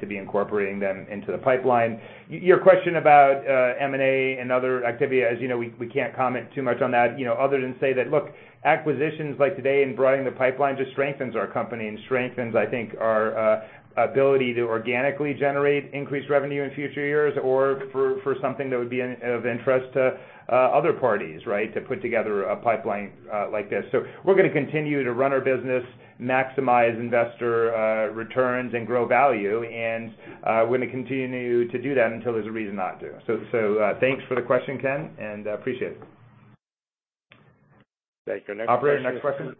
to be incorporating them into the pipeline. Your question about M&A and other activity, as you know, we can't comment too much on that, you know, other than say that, look, acquisitions like today in broadening the pipeline just strengthens our company and strengthens, I think, our ability to organically generate increased revenue in future years or for something that would be of interest to other parties, right? To put together a pipeline like this. We're gonna continue to run our business, maximize investor returns, and grow value, and we're gonna continue to do that until there's a reason not to. Thanks for the question, Ken, and appreciate it. Thank you. Operator, next question.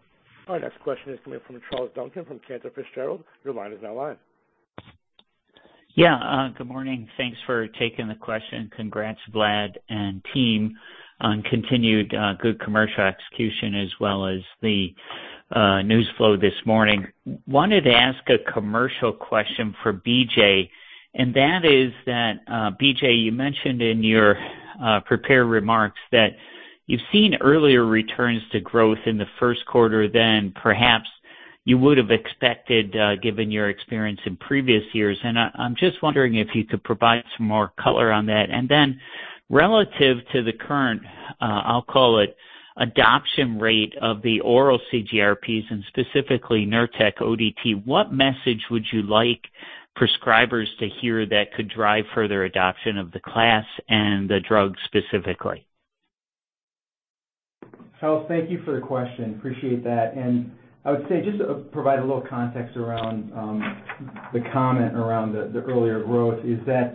Our next question is coming from Charles Duncan from Cantor Fitzgerald. Your line is now live. Good morning. Thanks for taking the question. Congrats, Vlad and team, on continued good commercial execution as well as the news flow this morning. Wanted to ask a commercial question for BJ, and that is that, BJ, you mentioned in your prepared remarks that you've seen earlier returns to growth in the first quarter than perhaps you would've expected, given your experience in previous years. I'm just wondering if you could provide some more color on that. Relative to the current, I'll call it adoption rate of the oral CGRPs, and specifically Nurtec ODT, what message would you like prescribers to hear that could drive further adoption of the class and the drug specifically? Charles, thank you for the question. Appreciate that. I would say, just to provide a little context around the comment around the earlier growth is that,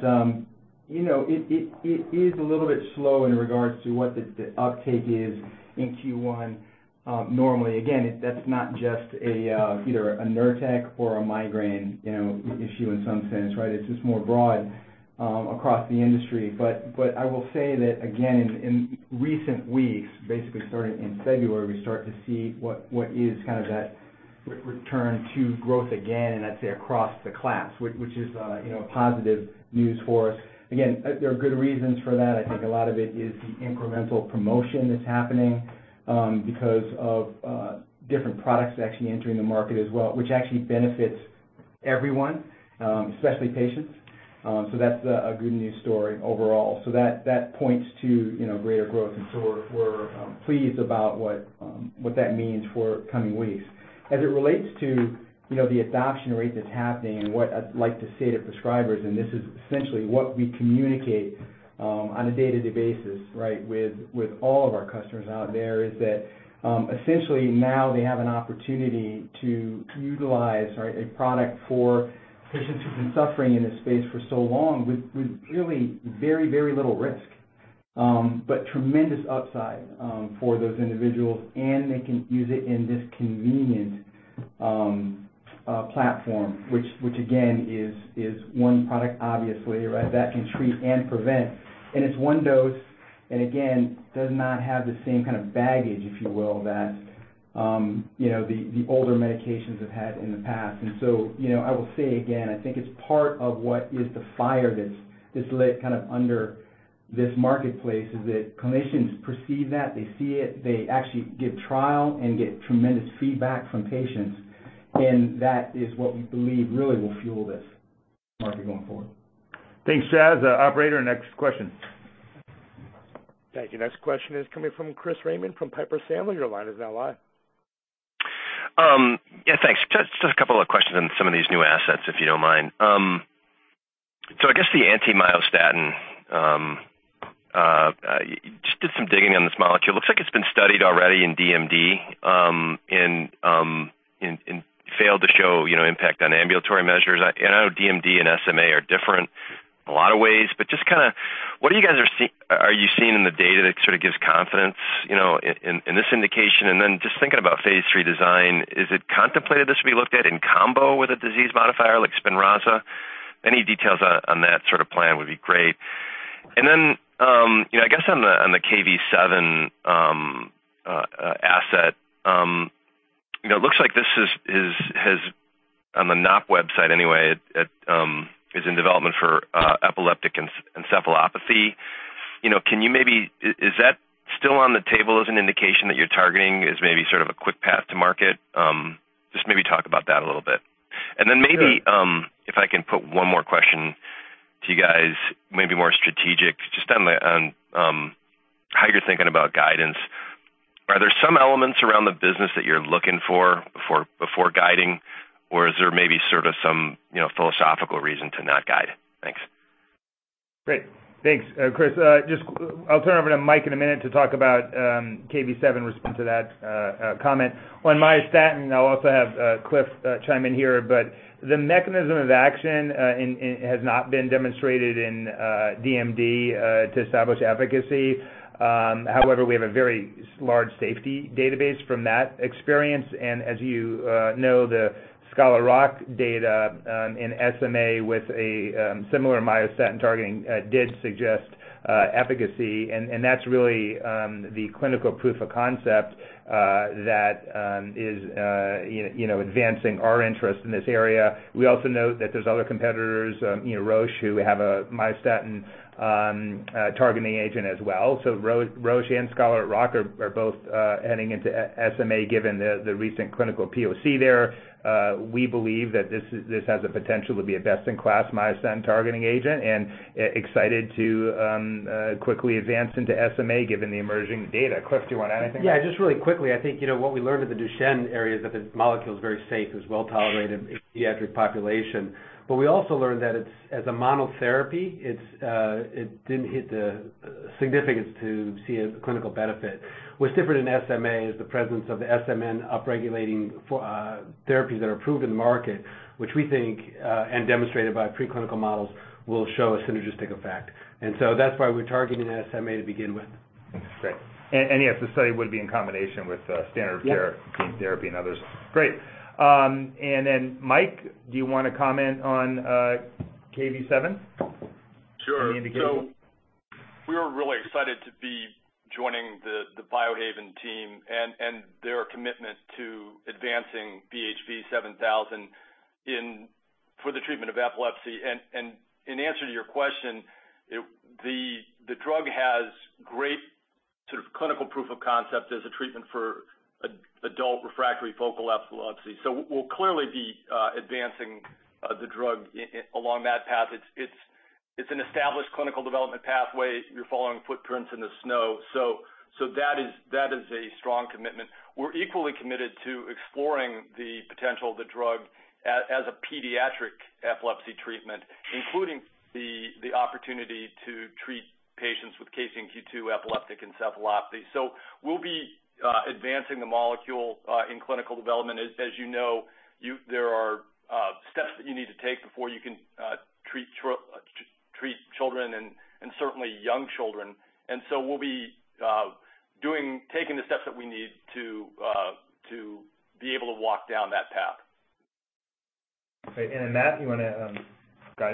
you know, it is a little bit slow in regards to what the uptake is in Q1, normally. Again, that's not just either a Nurtec or a migraine, you know, issue in some sense, right? It's just more broad across the industry. I will say that again, in recent weeks, basically starting in February, we start to see what is kind of that return to growth again, and I'd say across the class, which is, you know, positive news for us. Again, there are good reasons for that. I think a lot of it is the incremental promotion that's happening because of different products actually entering the market as well, which actually benefits everyone, especially patients. That's a good news story overall. That points to, you know, greater growth. We're pleased about what that means for coming weeks. As it relates to, you know, the adoption rate that's happening and what I'd like to say to prescribers, and this is essentially what we communicate on a day-to-day basis, right, with all of our customers out there, is that, essentially now they have an opportunity to utilize, right, a product for patients who've been suffering in this space for so long with really very little risk, but tremendous upside for those individuals, and they can use it in this convenient platform, which again is one product obviously, right, that can treat and prevent. It's one dose, and again, does not have the same kind of baggage, if you will, that, you know, the older medications have had in the past. You know, I will say again, I think it's part of what is the fire that's lit kind of under this marketplace is that clinicians perceive that. They see it, they actually give trial and get tremendous feedback from patients. That is what we believe really will fuel this market going forward. Thanks, Charles. Operator, next question. Thank you. Next question is coming from Chris Raymond from Piper Sandler. Your line is now live. Yeah, thanks. Just a couple of questions on some of these new assets, if you don't mind. So I guess the anti-myostatin, just did some digging on this molecule. Looks like it's been studied already in DMD, and failed to show, you know, impact on ambulatory measures. And I know DMD and SMA are different in a lot of ways, but just kinda what are you guys seeing in the data that sort of gives confidence, you know, in this indication? And then just thinking about phase III design, is it contemplated this will be looked at in combo with a disease modifier like Spinraza? Any details on that sort of plan would be great. You know, I guess on the Kv7 asset, you know, it looks like this is on the Knopp website anyway, it is in development for epileptic encephalopathy. You know, can you maybe. Is that still on the table as an indication that you're targeting as maybe sort of a quick path to market. Just maybe talk about that a little bit. Sure. Maybe if I can put one more question to you guys, maybe more strategic, just on how you're thinking about guidance. Are there some elements around the business that you're looking for before guiding, or is there maybe sort of some, you know, philosophical reason to not guide? Thanks. Great. Thanks, Chris. Just I'll turn over to Mike in a minute to talk about Kv7 response to that comment. On myostatin, I'll also have Cliff chime in here. The mechanism of action in it has not been demonstrated in DMD to establish efficacy. However, we have a very sizable safety database from that experience. As you know, the Scholar Rock data in SMA with a similar myostatin targeting did suggest efficacy. That's really the clinical proof of concept that is you know advancing our interest in this area. We also note that there's other competitors you know Roche who have a myostatin targeting agent as well. Roche and Scholar Rock are both heading into SMA given the recent clinical POC there. We believe that this has the potential to be a best-in-class myostatin targeting agent, and excited to quickly advance into SMA given the emerging data. Cliff, do you wanna add anything? Yeah, just really quickly. I think, you know, what we learned in the Duchenne area is that the molecule is very safe. It was well tolerated in pediatric population. But we also learned that it's, as a monotherapy, it didn't hit the significance to see a clinical benefit. What's different in SMA is the presence of the SMN upregulating therapies that are approved in the market, which we think, and demonstrated by preclinical models, will show a synergistic effect. That's why we're targeting SMA to begin with. Great. Yes, the study would be in combination with standard of care. Yeah... gene therapy and others. Great. Mike, do you wanna comment on Kv7? Sure. The indication. We are really excited to be joining the Biohaven team and their commitment to advancing BHV-7000 in for the treatment of epilepsy. In answer to your question, the drug has clinical proof of concept as a treatment for adult refractory focal epilepsy. We'll clearly be advancing the drug along that path. It's an established clinical development pathway. You're following footprints in the snow. That is a strong commitment. We're equally committed to exploring the potential of the drug as a pediatric epilepsy treatment, including the opportunity to treat patients with KCNQ2 epileptic encephalopathy. We'll be advancing the molecule in clinical development. As you know, there are steps that you need to take before you can treat children and certainly young children. We'll be taking the steps that we need to to be able to walk down that path. Okay. Matt, you wanna guide?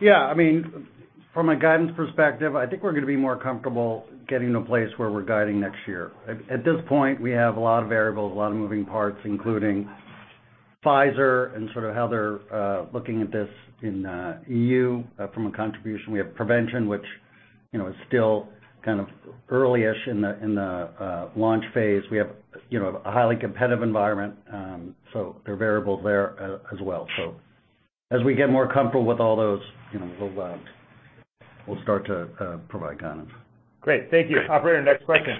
Yeah, I mean, from a guidance perspective, I think we're gonna be more comfortable getting to a place where we're guiding next year. At this point, we have a lot of variables, a lot of moving parts, including Pfizer and sort of how they're looking at this in EU from a contribution. We have prevention, which, you know, is still kind of early-ish in the launch phase. We have, you know, a highly competitive environment. There are variables there as well. As we get more comfortable with all those, you know, we'll start to provide guidance. Great. Thank you. Operator, next question.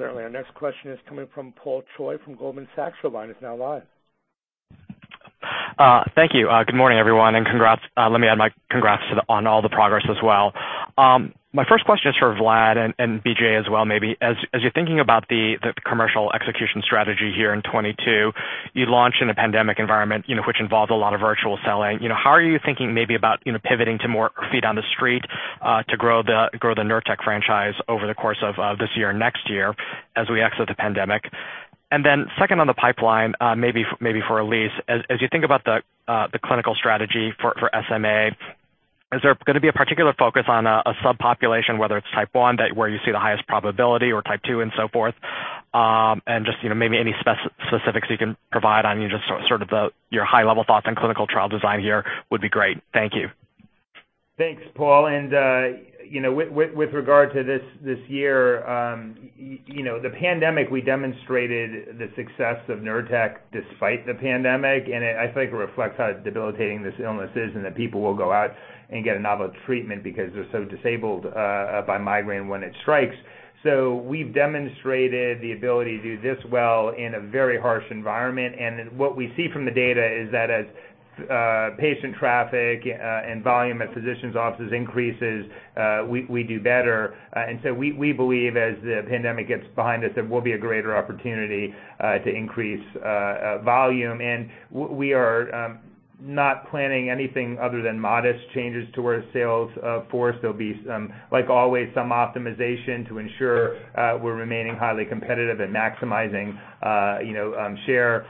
Certainly. Our next question is coming from Paul Choi from Goldman Sachs. Your line is now live. Thank you. Good morning, everyone, and congrats. Let me add my congrats on all the progress as well. My first question is for Vlad and BJ as well maybe. As you're thinking about the commercial execution strategy here in 2022, you launch in a pandemic environment, you know, which involved a lot of virtual selling. You know, how are you thinking maybe about, you know, pivoting to more feet on the street to grow the Nurtec franchise over the course of this year, next year as we exit the pandemic? Then second on the pipeline, maybe for Elyse. As you think about the clinical strategy for SMA, is there gonna be a particular focus on a subpopulation, whether it's type one where you see the highest probability or type two and so forth? Just, you know, maybe any specifics you can provide on, you know, just sort of your high-level thoughts on clinical trial design here would be great. Thank you. Thanks, Paul. You know, with regard to this year, you know, the pandemic, we demonstrated the success of Nurtec despite the pandemic. I think it reflects how debilitating this illness is, and that people will go out and get a novel treatment because they're so disabled by migraine when it strikes. We've demonstrated the ability to do this well in a very harsh environment. What we see from the data is that as patient traffic and volume at physicians' offices increases, we do better. We believe as the pandemic gets behind us, there will be a greater opportunity to increase volume. We are not planning anything other than modest changes to our sales force. There'll be some, like always, some optimization to ensure we're remaining highly competitive and maximizing, you know, share.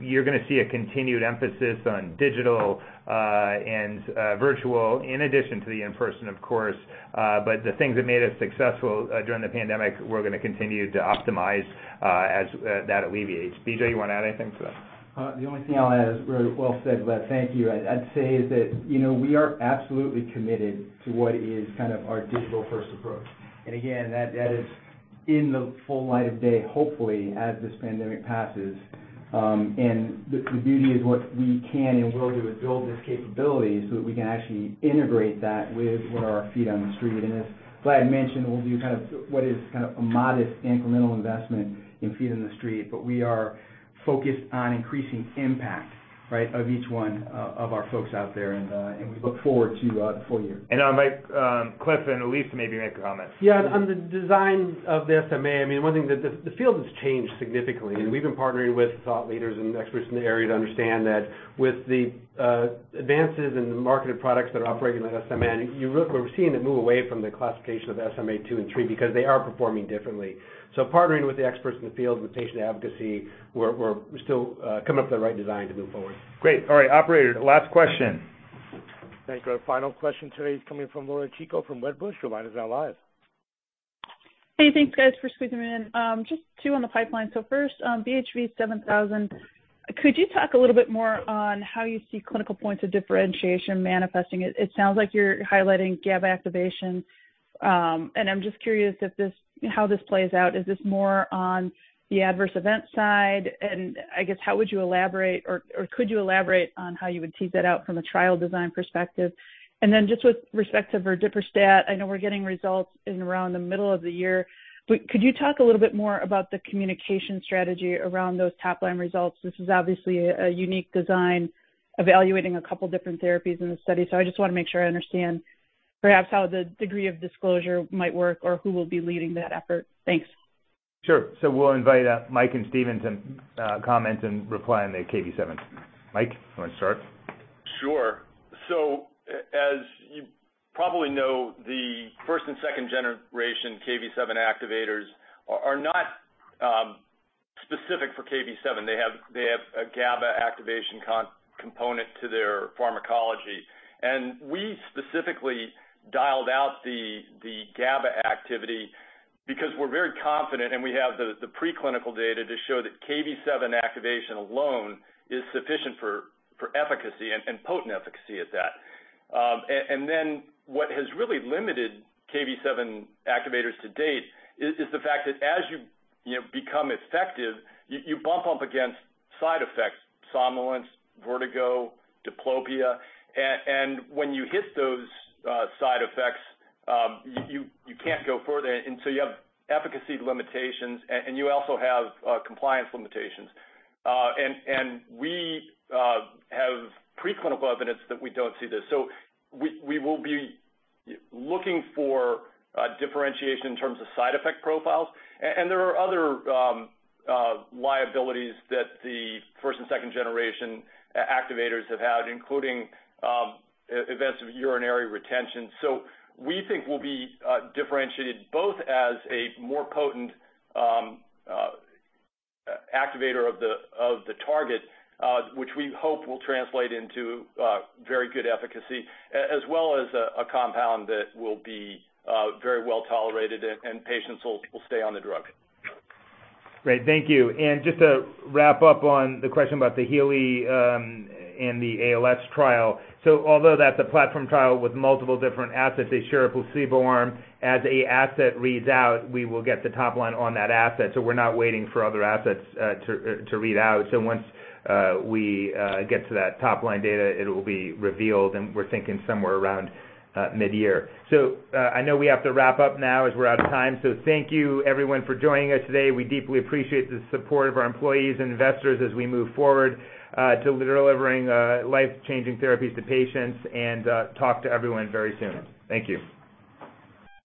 You're gonna see a continued emphasis on digital and virtual in addition to the in-person, of course. The things that made us successful during the pandemic, we're gonna continue to optimize as that alleviates. BJ, you wanna add anything to that? The only thing I'll add is very well said, Vlad. Thank you. I'd say is that, you know, we are absolutely committed to what is kind of our digital-first approach. Again, that is in the full light of day, hopefully, as this pandemic passes. The beauty is what we can and will do is build this capability so that we can actually integrate that with what are our feet on the street. As Vlad mentioned, we'll do kind of what is kind of a modest incremental investment in feet on the street. We are focused on increasing impact, right, of each one of our folks out there. We look forward to the full year. I'll invite Cliff and Elyse to maybe make a comment. Yeah. On the design of the SMA, I mean, one thing the field has changed significantly. We've been partnering with thought leaders and experts in the area to understand that with the advances in the marketed products that are operating on SMA, we're seeing it move away from the classification of SMA two and three because they are performing differently. Partnering with the experts in the field, with patient advocacy, we're still coming up with the right design to move forward. Great. All right. Operator, last question. Thank you. Our final question today is coming from Laura Chico from Wedbush. Your line is now live. Hey, thanks guys for squeezing me in. Just two on the pipeline. First, BHV-7000. Could you talk a little bit more on how you see clinical points of differentiation manifesting it? It sounds like you're highlighting GABA activation. I'm just curious how this plays out. Is this more on the adverse event side? I guess how would you elaborate or could you elaborate on how you would tease that out from a trial design perspective? Just with respect to verdiperstat, I know we're getting results in around the middle of the year. Could you talk a little bit more about the communication strategy around those top line results? This is obviously a unique design evaluating a couple different therapies in the study. I just wanna make sure I understand perhaps how the degree of disclosure might work or who will be leading that effort. Thanks. Sure. We'll invite Mike and Steven to comment and reply on the Kv7. Mike, you wanna start? Sure. As you probably know, the first and second generation KV7 activators are not specific for KV7. They have a GABA activation component to their pharmacology. We specifically dialed out the GABA activity because we're very confident, and we have the preclinical data to show that KV7 activation alone is sufficient for efficacy and potent efficacy at that. Then what has really limited KV7 activators to date is the fact that as you know, you become effective, you bump up against side effects, somnolence, vertigo, diplopia. When you hit those side effects, you can't go further. You have efficacy limitations, and you also have compliance limitations. We have preclinical evidence that we don't see this. We will be looking for differentiation in terms of side effect profiles. There are other liabilities that the first and second generation activators have had, including events of urinary retention. We think we'll be differentiated both as a more potent activator of the target, which we hope will translate into very good efficacy, as well as a compound that will be very well tolerated and patients will stay on the drug. Great. Thank you. Just to wrap up on the question about the HEALEY and the ALS trial. Although that's a platform trial with multiple different assets, they share a placebo arm. As an asset reads out, we will get the top-line on that asset. We're not waiting for other assets to read out. Once we get to that top-line data, it will be revealed, and we're thinking somewhere around mid-year. I know we have to wrap up now as we're out of time. Thank you everyone for joining us today. We deeply appreciate the support of our employees and investors as we move forward to delivering life-changing therapies to patients, and talk to everyone very soon. Thank you.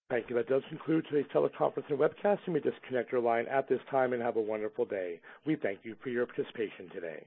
Thank you. That does conclude today's teleconference and webcast. You may disconnect your line at this time and have a wonderful day. We thank you for your participation today.